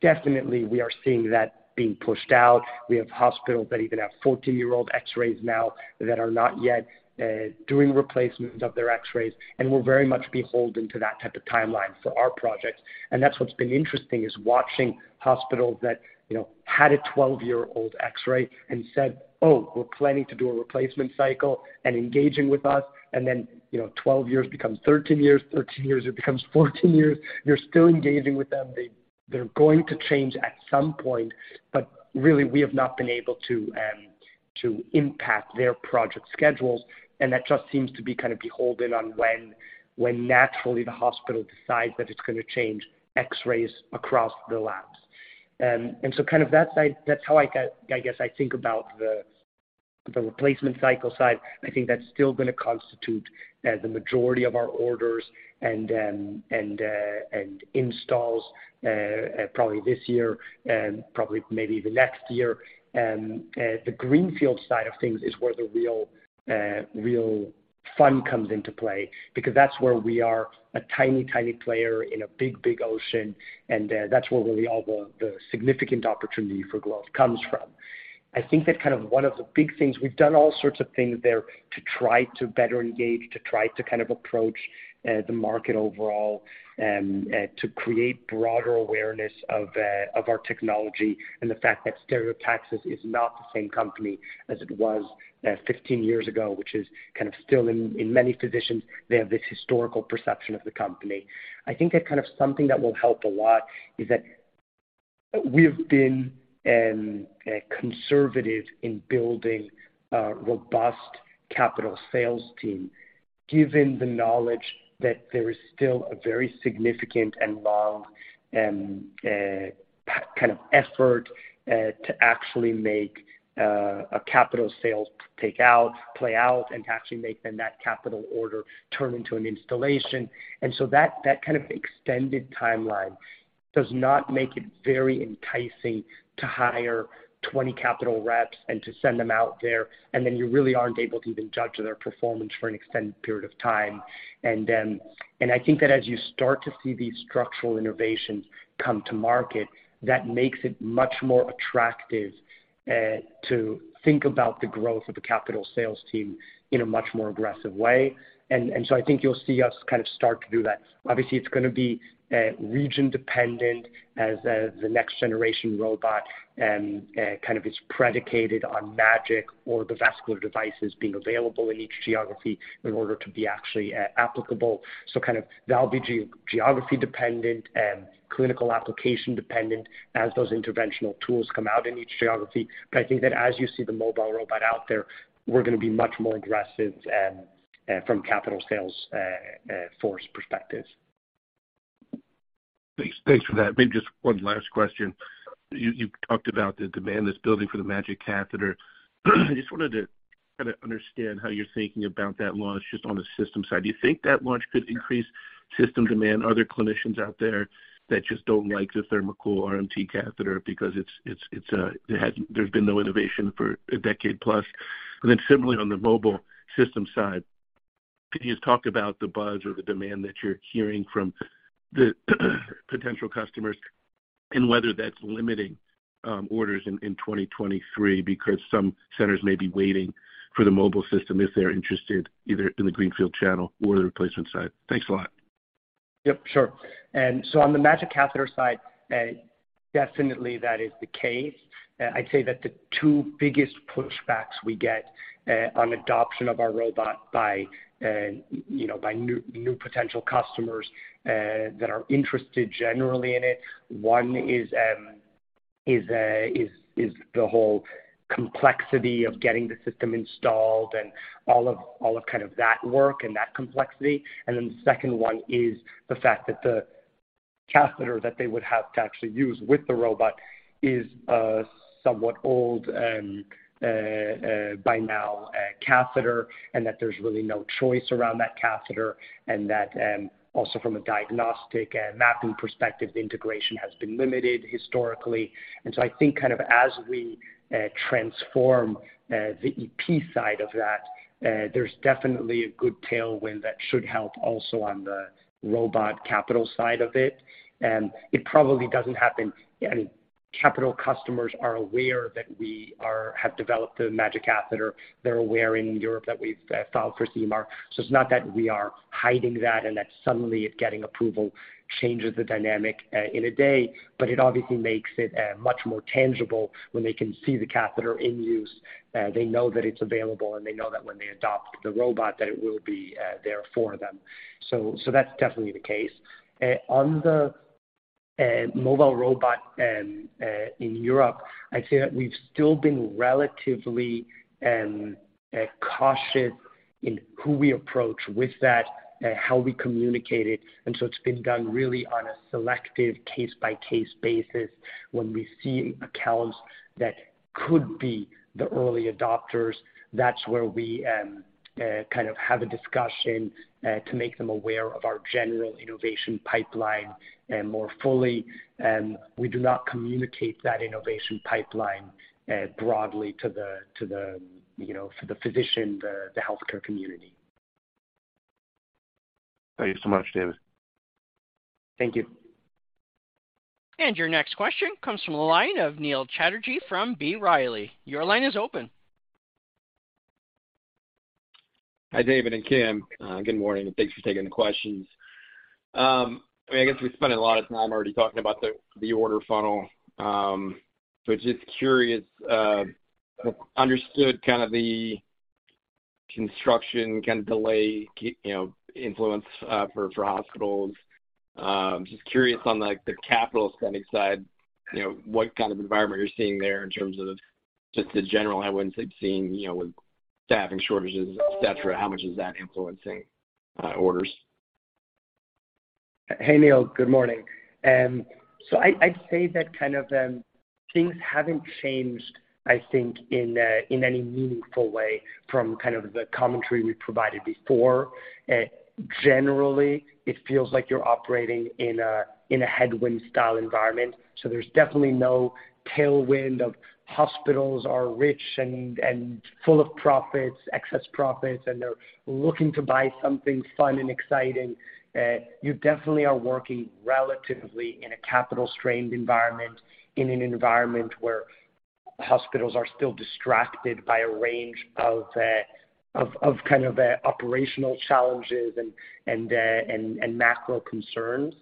definitely we are seeing that being pushed out. We have hospitals that even have 14-year-old X-rays now that are not yet doing replacements of their X-rays, we're very much beholden to that type of timeline for our projects. That's what's been interesting, is watching hospitals that, you know, had a 12-year-old X-ray and said, "Oh, we're planning to do a replacement cycle," and engaging with us. You know, 12 years becomes 13 years. 13 years, it becomes 14 years. You're still engaging with them. They're going to change at some point, really we have not been able to impact their project schedules. That just seems to be kind of beholden on when naturally the hospital decides that it's gonna change X-rays across the labs. Kind of that's how I guess I think about the replacement cycle side. I think that's still gonna constitute the majority of our orders and then and installs probably this year and probably maybe the next year. The greenfield side of things is where the real fun comes into play because that's where we are a tiny player in a big, big ocean. That's where really all the significant opportunity for growth comes from. I think that kind of one of the big things... We've done all sorts of things there to try to better engage, to try to kind of approach the market overall, to create broader awareness of our technology and the fact that Stereotaxis is not the same company as it was 15 years ago, which is kind of still in many physicians, they have this historical perception of the company. I think that kind of something that will help a lot is that we've been conservative in building a robust capital sales team, given the knowledge that there is still a very significant and long kind of effort to actually make a capital sales take out, play out and to actually make then that capital order turn into an installation. That kind of extended timeline does not make it very enticing to hire 20 capital reps and to send them out there, then you really aren't able to even judge their performance for an extended period of time. I think that as you start to see these structural innovations come to market, that makes it much more attractive to think about the growth of the capital sales team in a much more aggressive way. I think you'll see us kind of start to do that. Obviously, it's gonna be region dependent as the next generation robot kind of is predicated on MAGiC or the vascular devices being available in each geography in order to be actually applicable. Kind of that'll be geo-geography dependent and clinical application dependent as those interventional tools come out in each geography. I think that as you see the mobile robot out there, we're gonna be much more aggressive, from capital sales, force perspectives. Thanks for that. Maybe just one last question. You talked about the demand that's building for the MAGiC catheter. I just wanted to kind of understand how you're thinking about that launch just on the system side. Do you think that launch could increase system demand? Are there clinicians out there that just don't like the THERMOCOOL RMT catheter because it's, there's been no innovation for a decade plus? Similarly, on the mobile system side, can you just talk about the buzz or the demand that you're hearing from the potential customers and whether that's limiting orders in 2023? Some centers may be waiting for the mobile system if they're interested either in the greenfield channel or the replacement side. Thanks a lot. Yep, sure. On the MAGiC catheter side, definitely that is the case. I'd say that the two biggest pushbacks we get on adoption of our robot by, you know, by new potential customers that are interested generally in it, one is the whole complexity of getting the system installed and all of kind of that work and that complexity. The second one is the fact that the catheter that they would have to actually use with the robot is a somewhat old by now catheter, and that there's really no choice around that catheter. Also from a diagnostic and mapping perspective, the integration has been limited historically. I think kind of as we transform the EP side of that, there's definitely a good tailwind that should help also on the robot capital side of it. I mean, capital customers are aware that we have developed the MAGiC catheter. They're aware in Europe that we've filed for CE Mark. It's not that we are hiding that and that suddenly it getting approval changes the dynamic in a day, but it obviously makes it much more tangible when they can see the catheter in use. They know that it's available, and they know that when they adopt the robot, that it will be there for them. That's definitely the case. On the mobile robot in Europe, I'd say that we've still been relatively cautious in who we approach with that, how we communicate it. So it's been done really on a selective case-by-case basis. When we see accounts that could be the early adopters, that's where we kind of have a discussion to make them aware of our general innovation pipeline more fully. We do not communicate that innovation pipeline broadly to the, to the, you know, for the physician, the healthcare community. Thank you so much, David. Thank you. Your next question comes from the line of Neil Chatterji from B. Riley. Your line is open. Hi, David and Kim. Good morning, and thanks for taking the questions. I guess we've spent a lot of time already talking about the order funnel. Just curious, understood kind of the construction kind of delay, you know, influence for hospitals. Just curious on, like, the capital spending side, you know, what kind of environment you're seeing there in terms of just the general headwinds they've seen, you know, with staffing shortages, et cetera, how much is that influencing orders? Hey, Neil. Good morning. Things haven't changed in any meaningful way from the commentary we provided before. Generally, it feels like you're operating in a headwind style environment. There's definitely no tailwind of hospitals are rich and full of profits, excess profits, and they're looking to buy something fun and exciting. You definitely are working relatively in a capital strained environment, in an environment where hospitals are still distracted by a range of operational challenges and macro concerns.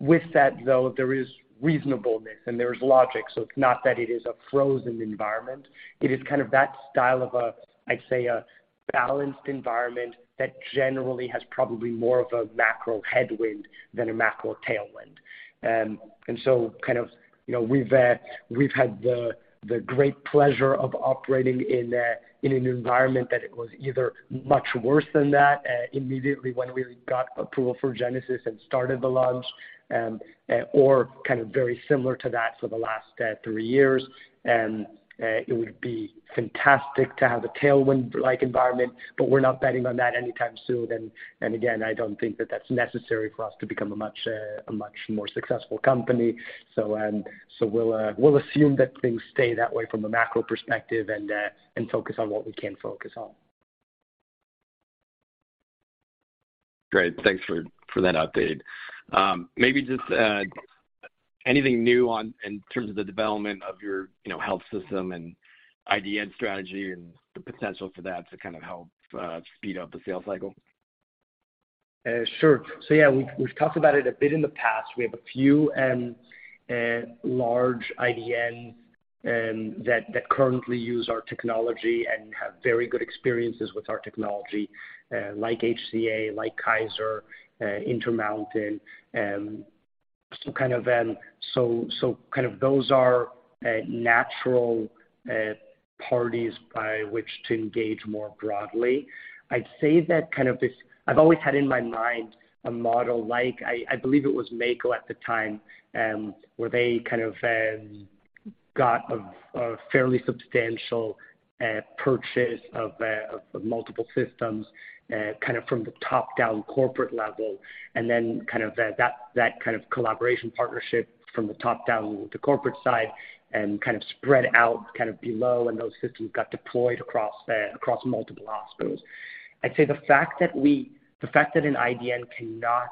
With that, though, there is reasonableness and there is logic. It's not that it is a frozen environment. It is kind of that style of a, I'd say, a balanced environment that generally has probably more of a macro headwind than a macro tailwind. Kind of, you know, we've had the great pleasure of operating in an environment that it was either much worse than that, immediately when we got approval for Genesis and started the launch, or kind of very similar to that for the last three years. It would be fantastic to have a tailwind-like environment, but we're not betting on that anytime soon. Again, I don't think that that's necessary for us to become a much more successful company. We'll assume that things stay that way from a macro perspective and focus on what we can focus on. Great. Thanks for that update. Maybe just anything new on in terms of the development of your, you know, health system and IDN strategy and the potential for that to kind of help speed up the sales cycle? Sure. Yeah, we've talked about it a bit in the past. We have a few large IDN that currently use our technology and have very good experiences with our technology, like HCA, Kaiser, Intermountain. Kind of those are natural parties by which to engage more broadly. I'd say that I've always had in my mind a model like I believe it was Mako at the time, where they kind of got a fairly substantial purchase of multiple systems kind of from the top-down corporate level, and then that kind of collaboration partnership from the top-down with the corporate side and kind of spread out kind of below, and those systems got deployed across multiple hospitals. I'd say the fact that the fact that an IDN cannot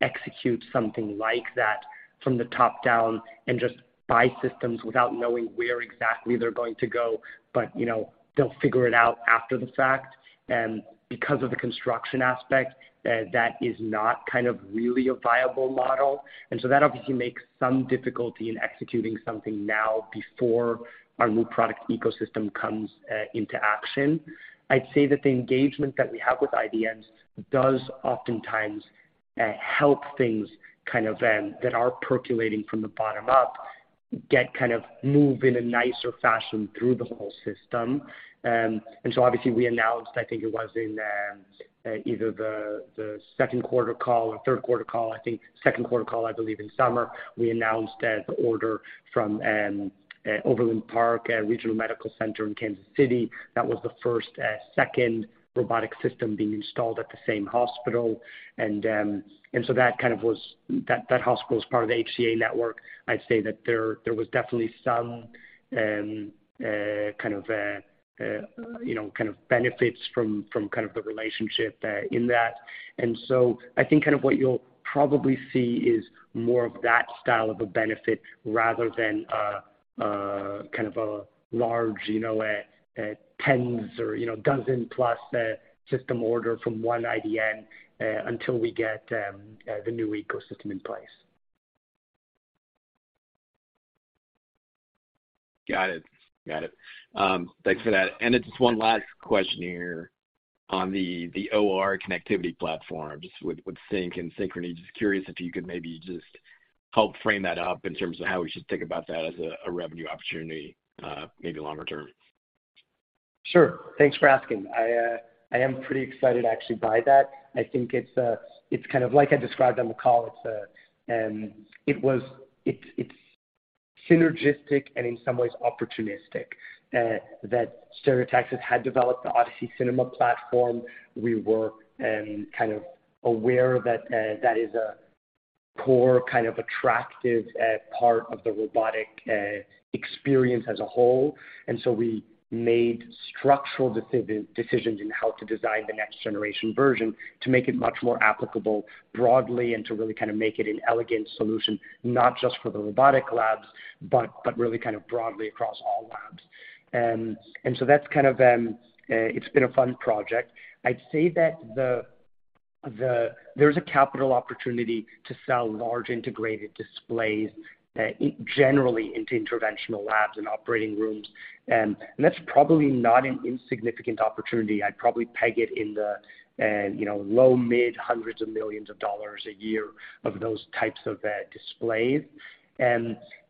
execute something like that from the top down and just buy systems without knowing where exactly they're going to go, but, you know, they'll figure it out after the fact. Because of the construction aspect, that is not kind of really a viable model. That obviously makes some difficulty in executing something now before our new product ecosystem comes into action. I'd say that the engagement that we have with IDNs does oftentimes help things kind of, that are percolating from the bottom up, get kind of move in a nicer fashion through the whole system. Obviously we announced, I think it was in either the second quarter call or third quarter call, I think second quarter call, I believe in summer, we announced that the order from Overland Park Regional Medical Center in Kansas City. That was the first, second robotic system being installed at the same hospital. That kind of was that hospital is part of the HCA network. I'd say that there was definitely some, you know, kind of benefits from kind of the relationship in that. I think kind of what you'll probably see is more of that style of a benefit rather than, kind of a large, you know, tens or, you know, dozen plus, system order from one IDN, until we get, the new ecosystem in place. Got it. Got it. thanks for that. Then just one last question here on the OR connectivity platform. Just with SynX and Synchrony. Just curious if you could maybe just help frame that up in terms of how we should think about that as a revenue opportunity, maybe longer term. Sure. Thanks for asking. I am pretty excited actually by that. I think it's kind of like I described on the call, it's synergistic and in some ways opportunistic that Stereotaxis had developed the Odyssey Cinema platform. We were kind of aware that that is a core kind of attractive part of the robotic experience as a whole. We made structural decisions in how to design the next generation version to make it much more applicable broadly and to really kind of make it an elegant solution, not just for the robotic labs, but really kind of broadly. That's kind of it's been a fun project. I'd say that there's a capital opportunity to sell large integrated displays generally into interventional labs and operating rooms. That's probably not an insignificant opportunity. I'd probably peg it in the, you know, low mid $hundreds of millions a year of those types of displays.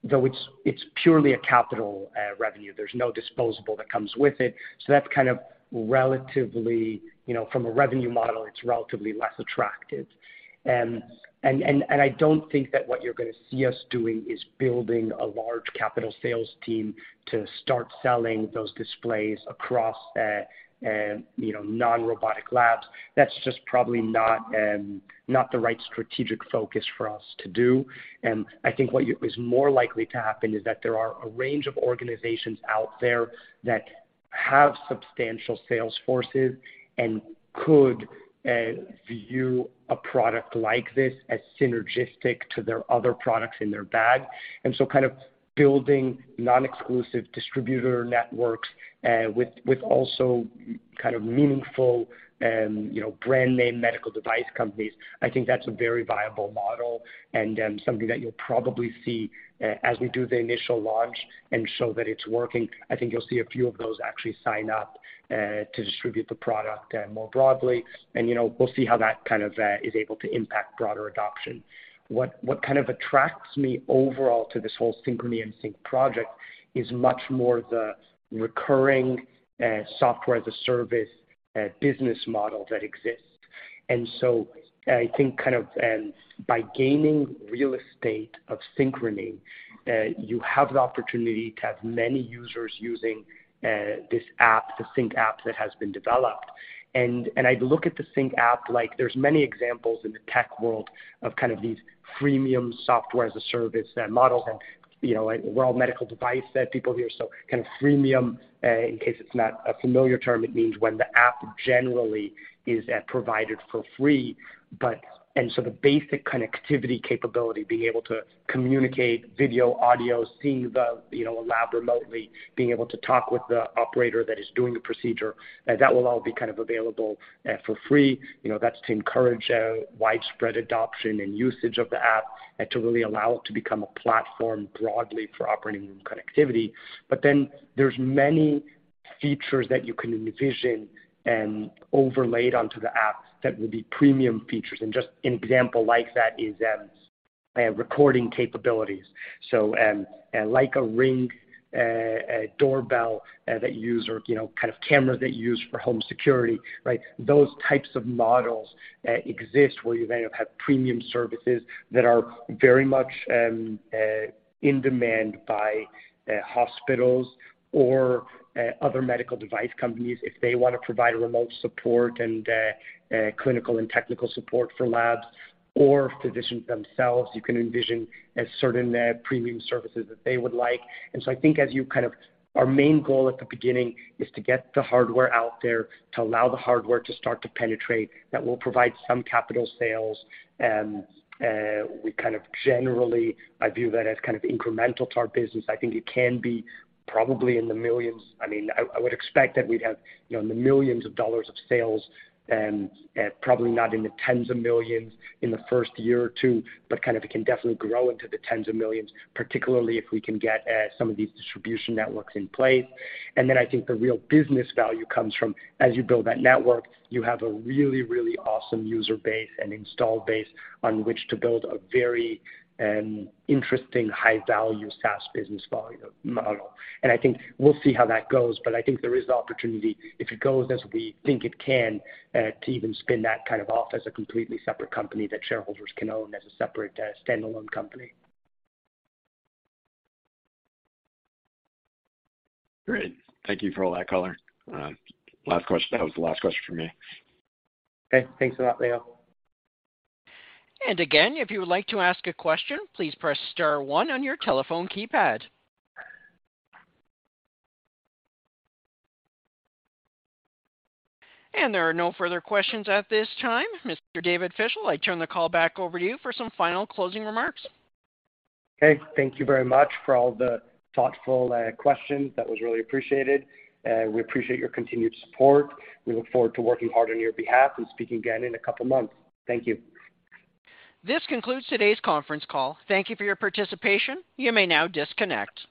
Though it's purely a capital revenue, there's no disposable that comes with it. That's kind of relatively, you know, from a revenue model, it's relatively less attractive. I don't think that what you're gonna see us doing is building a large capital sales team to start selling those displays across, you know, non-robotic labs. That's just probably not the right strategic focus for us to do. I think what is more likely to happen is that there are a range of organizations out there that have substantial sales forces and could view a product like this as synergistic to their other products in their bag. Kind of building non-exclusive distributor networks, with also kind of meaningful, you know, brand name medical device companies, I think that's a very viable model and something that you'll probably see as we do the initial launch and show that it's working. I think you'll see a few of those actually sign up to distribute the product more broadly. You know, we'll see how that kind of is able to impact broader adoption. What kind of attracts me overall to this whole Synchrony and SynX project is much more the recurring software as a service business model that exists. I think kind of, by gaining real estate of Synchrony, you have the opportunity to have many users using this app, the SynX app that has been developed. I look at the SynX app like there's many examples in the tech world of kind of these freemium software as a service, that model. You know, we're all medical device people here, kind of freemium, in case it's not a familiar term, it means when the app generally is provided for free. The basic connectivity capability, being able to communicate video/audio, seeing the, you know, a lab remotely, being able to talk with the operator that is doing the procedure, that will all be kind of available for free. You know, that's to encourage widespread adoption and usage of the app and to really allow it to become a platform broadly for operating room connectivity. There's many features that you can envision and overlaid onto the app that will be premium features. Just an example like that is recording capabilities. Like a Ring doorbell that you use or, you know, kind of cameras that you use for home security, right? Those types of models exist where you then have premium services that are very much in demand by hospitals or other medical device companies if they want to provide remote support and clinical and technical support for labs. Or physicians themselves, you can envision as certain premium services that they would like. I think as you kind of. Our main goal at the beginning is to get the hardware out there to allow the hardware to start to penetrate. That will provide some capital sales. We kind of generally view that as kind of incremental to our business. I think it can be probably in the millions. I mean, I would expect that we'd have, you know, in the millions of dollars of sales, probably not in the $tens of millions in the first year or two, but kind of it can definitely grow into the $tens of millions, particularly if we can get some of these distribution networks in place. I think the real business value comes from as you build that network, you have a really awesome user base and install base on which to build a very interesting high-value SaaS model. I think we'll see how that goes, but I think there is opportunity if it goes as we think it can, to even spin that kind of off as a completely separate company that shareholders can own as a separate standalone company. Great. Thank you for all that color. Last question. That was the last question from me. Okay. Thanks a lot, Leo. Again, if you would like to ask a question, please press star one on your telephone keypad. There are no further questions at this time. Mr. David Fischel, I turn the call back over to you for some final closing remarks. Okay. Thank you very much for all the thoughtful, questions. That was really appreciated. We appreciate your continued support. We look forward to working hard on your behalf and speak again in a couple of months. Thank you. This concludes today's conference call. Thank you for your participation. You may now disconnect.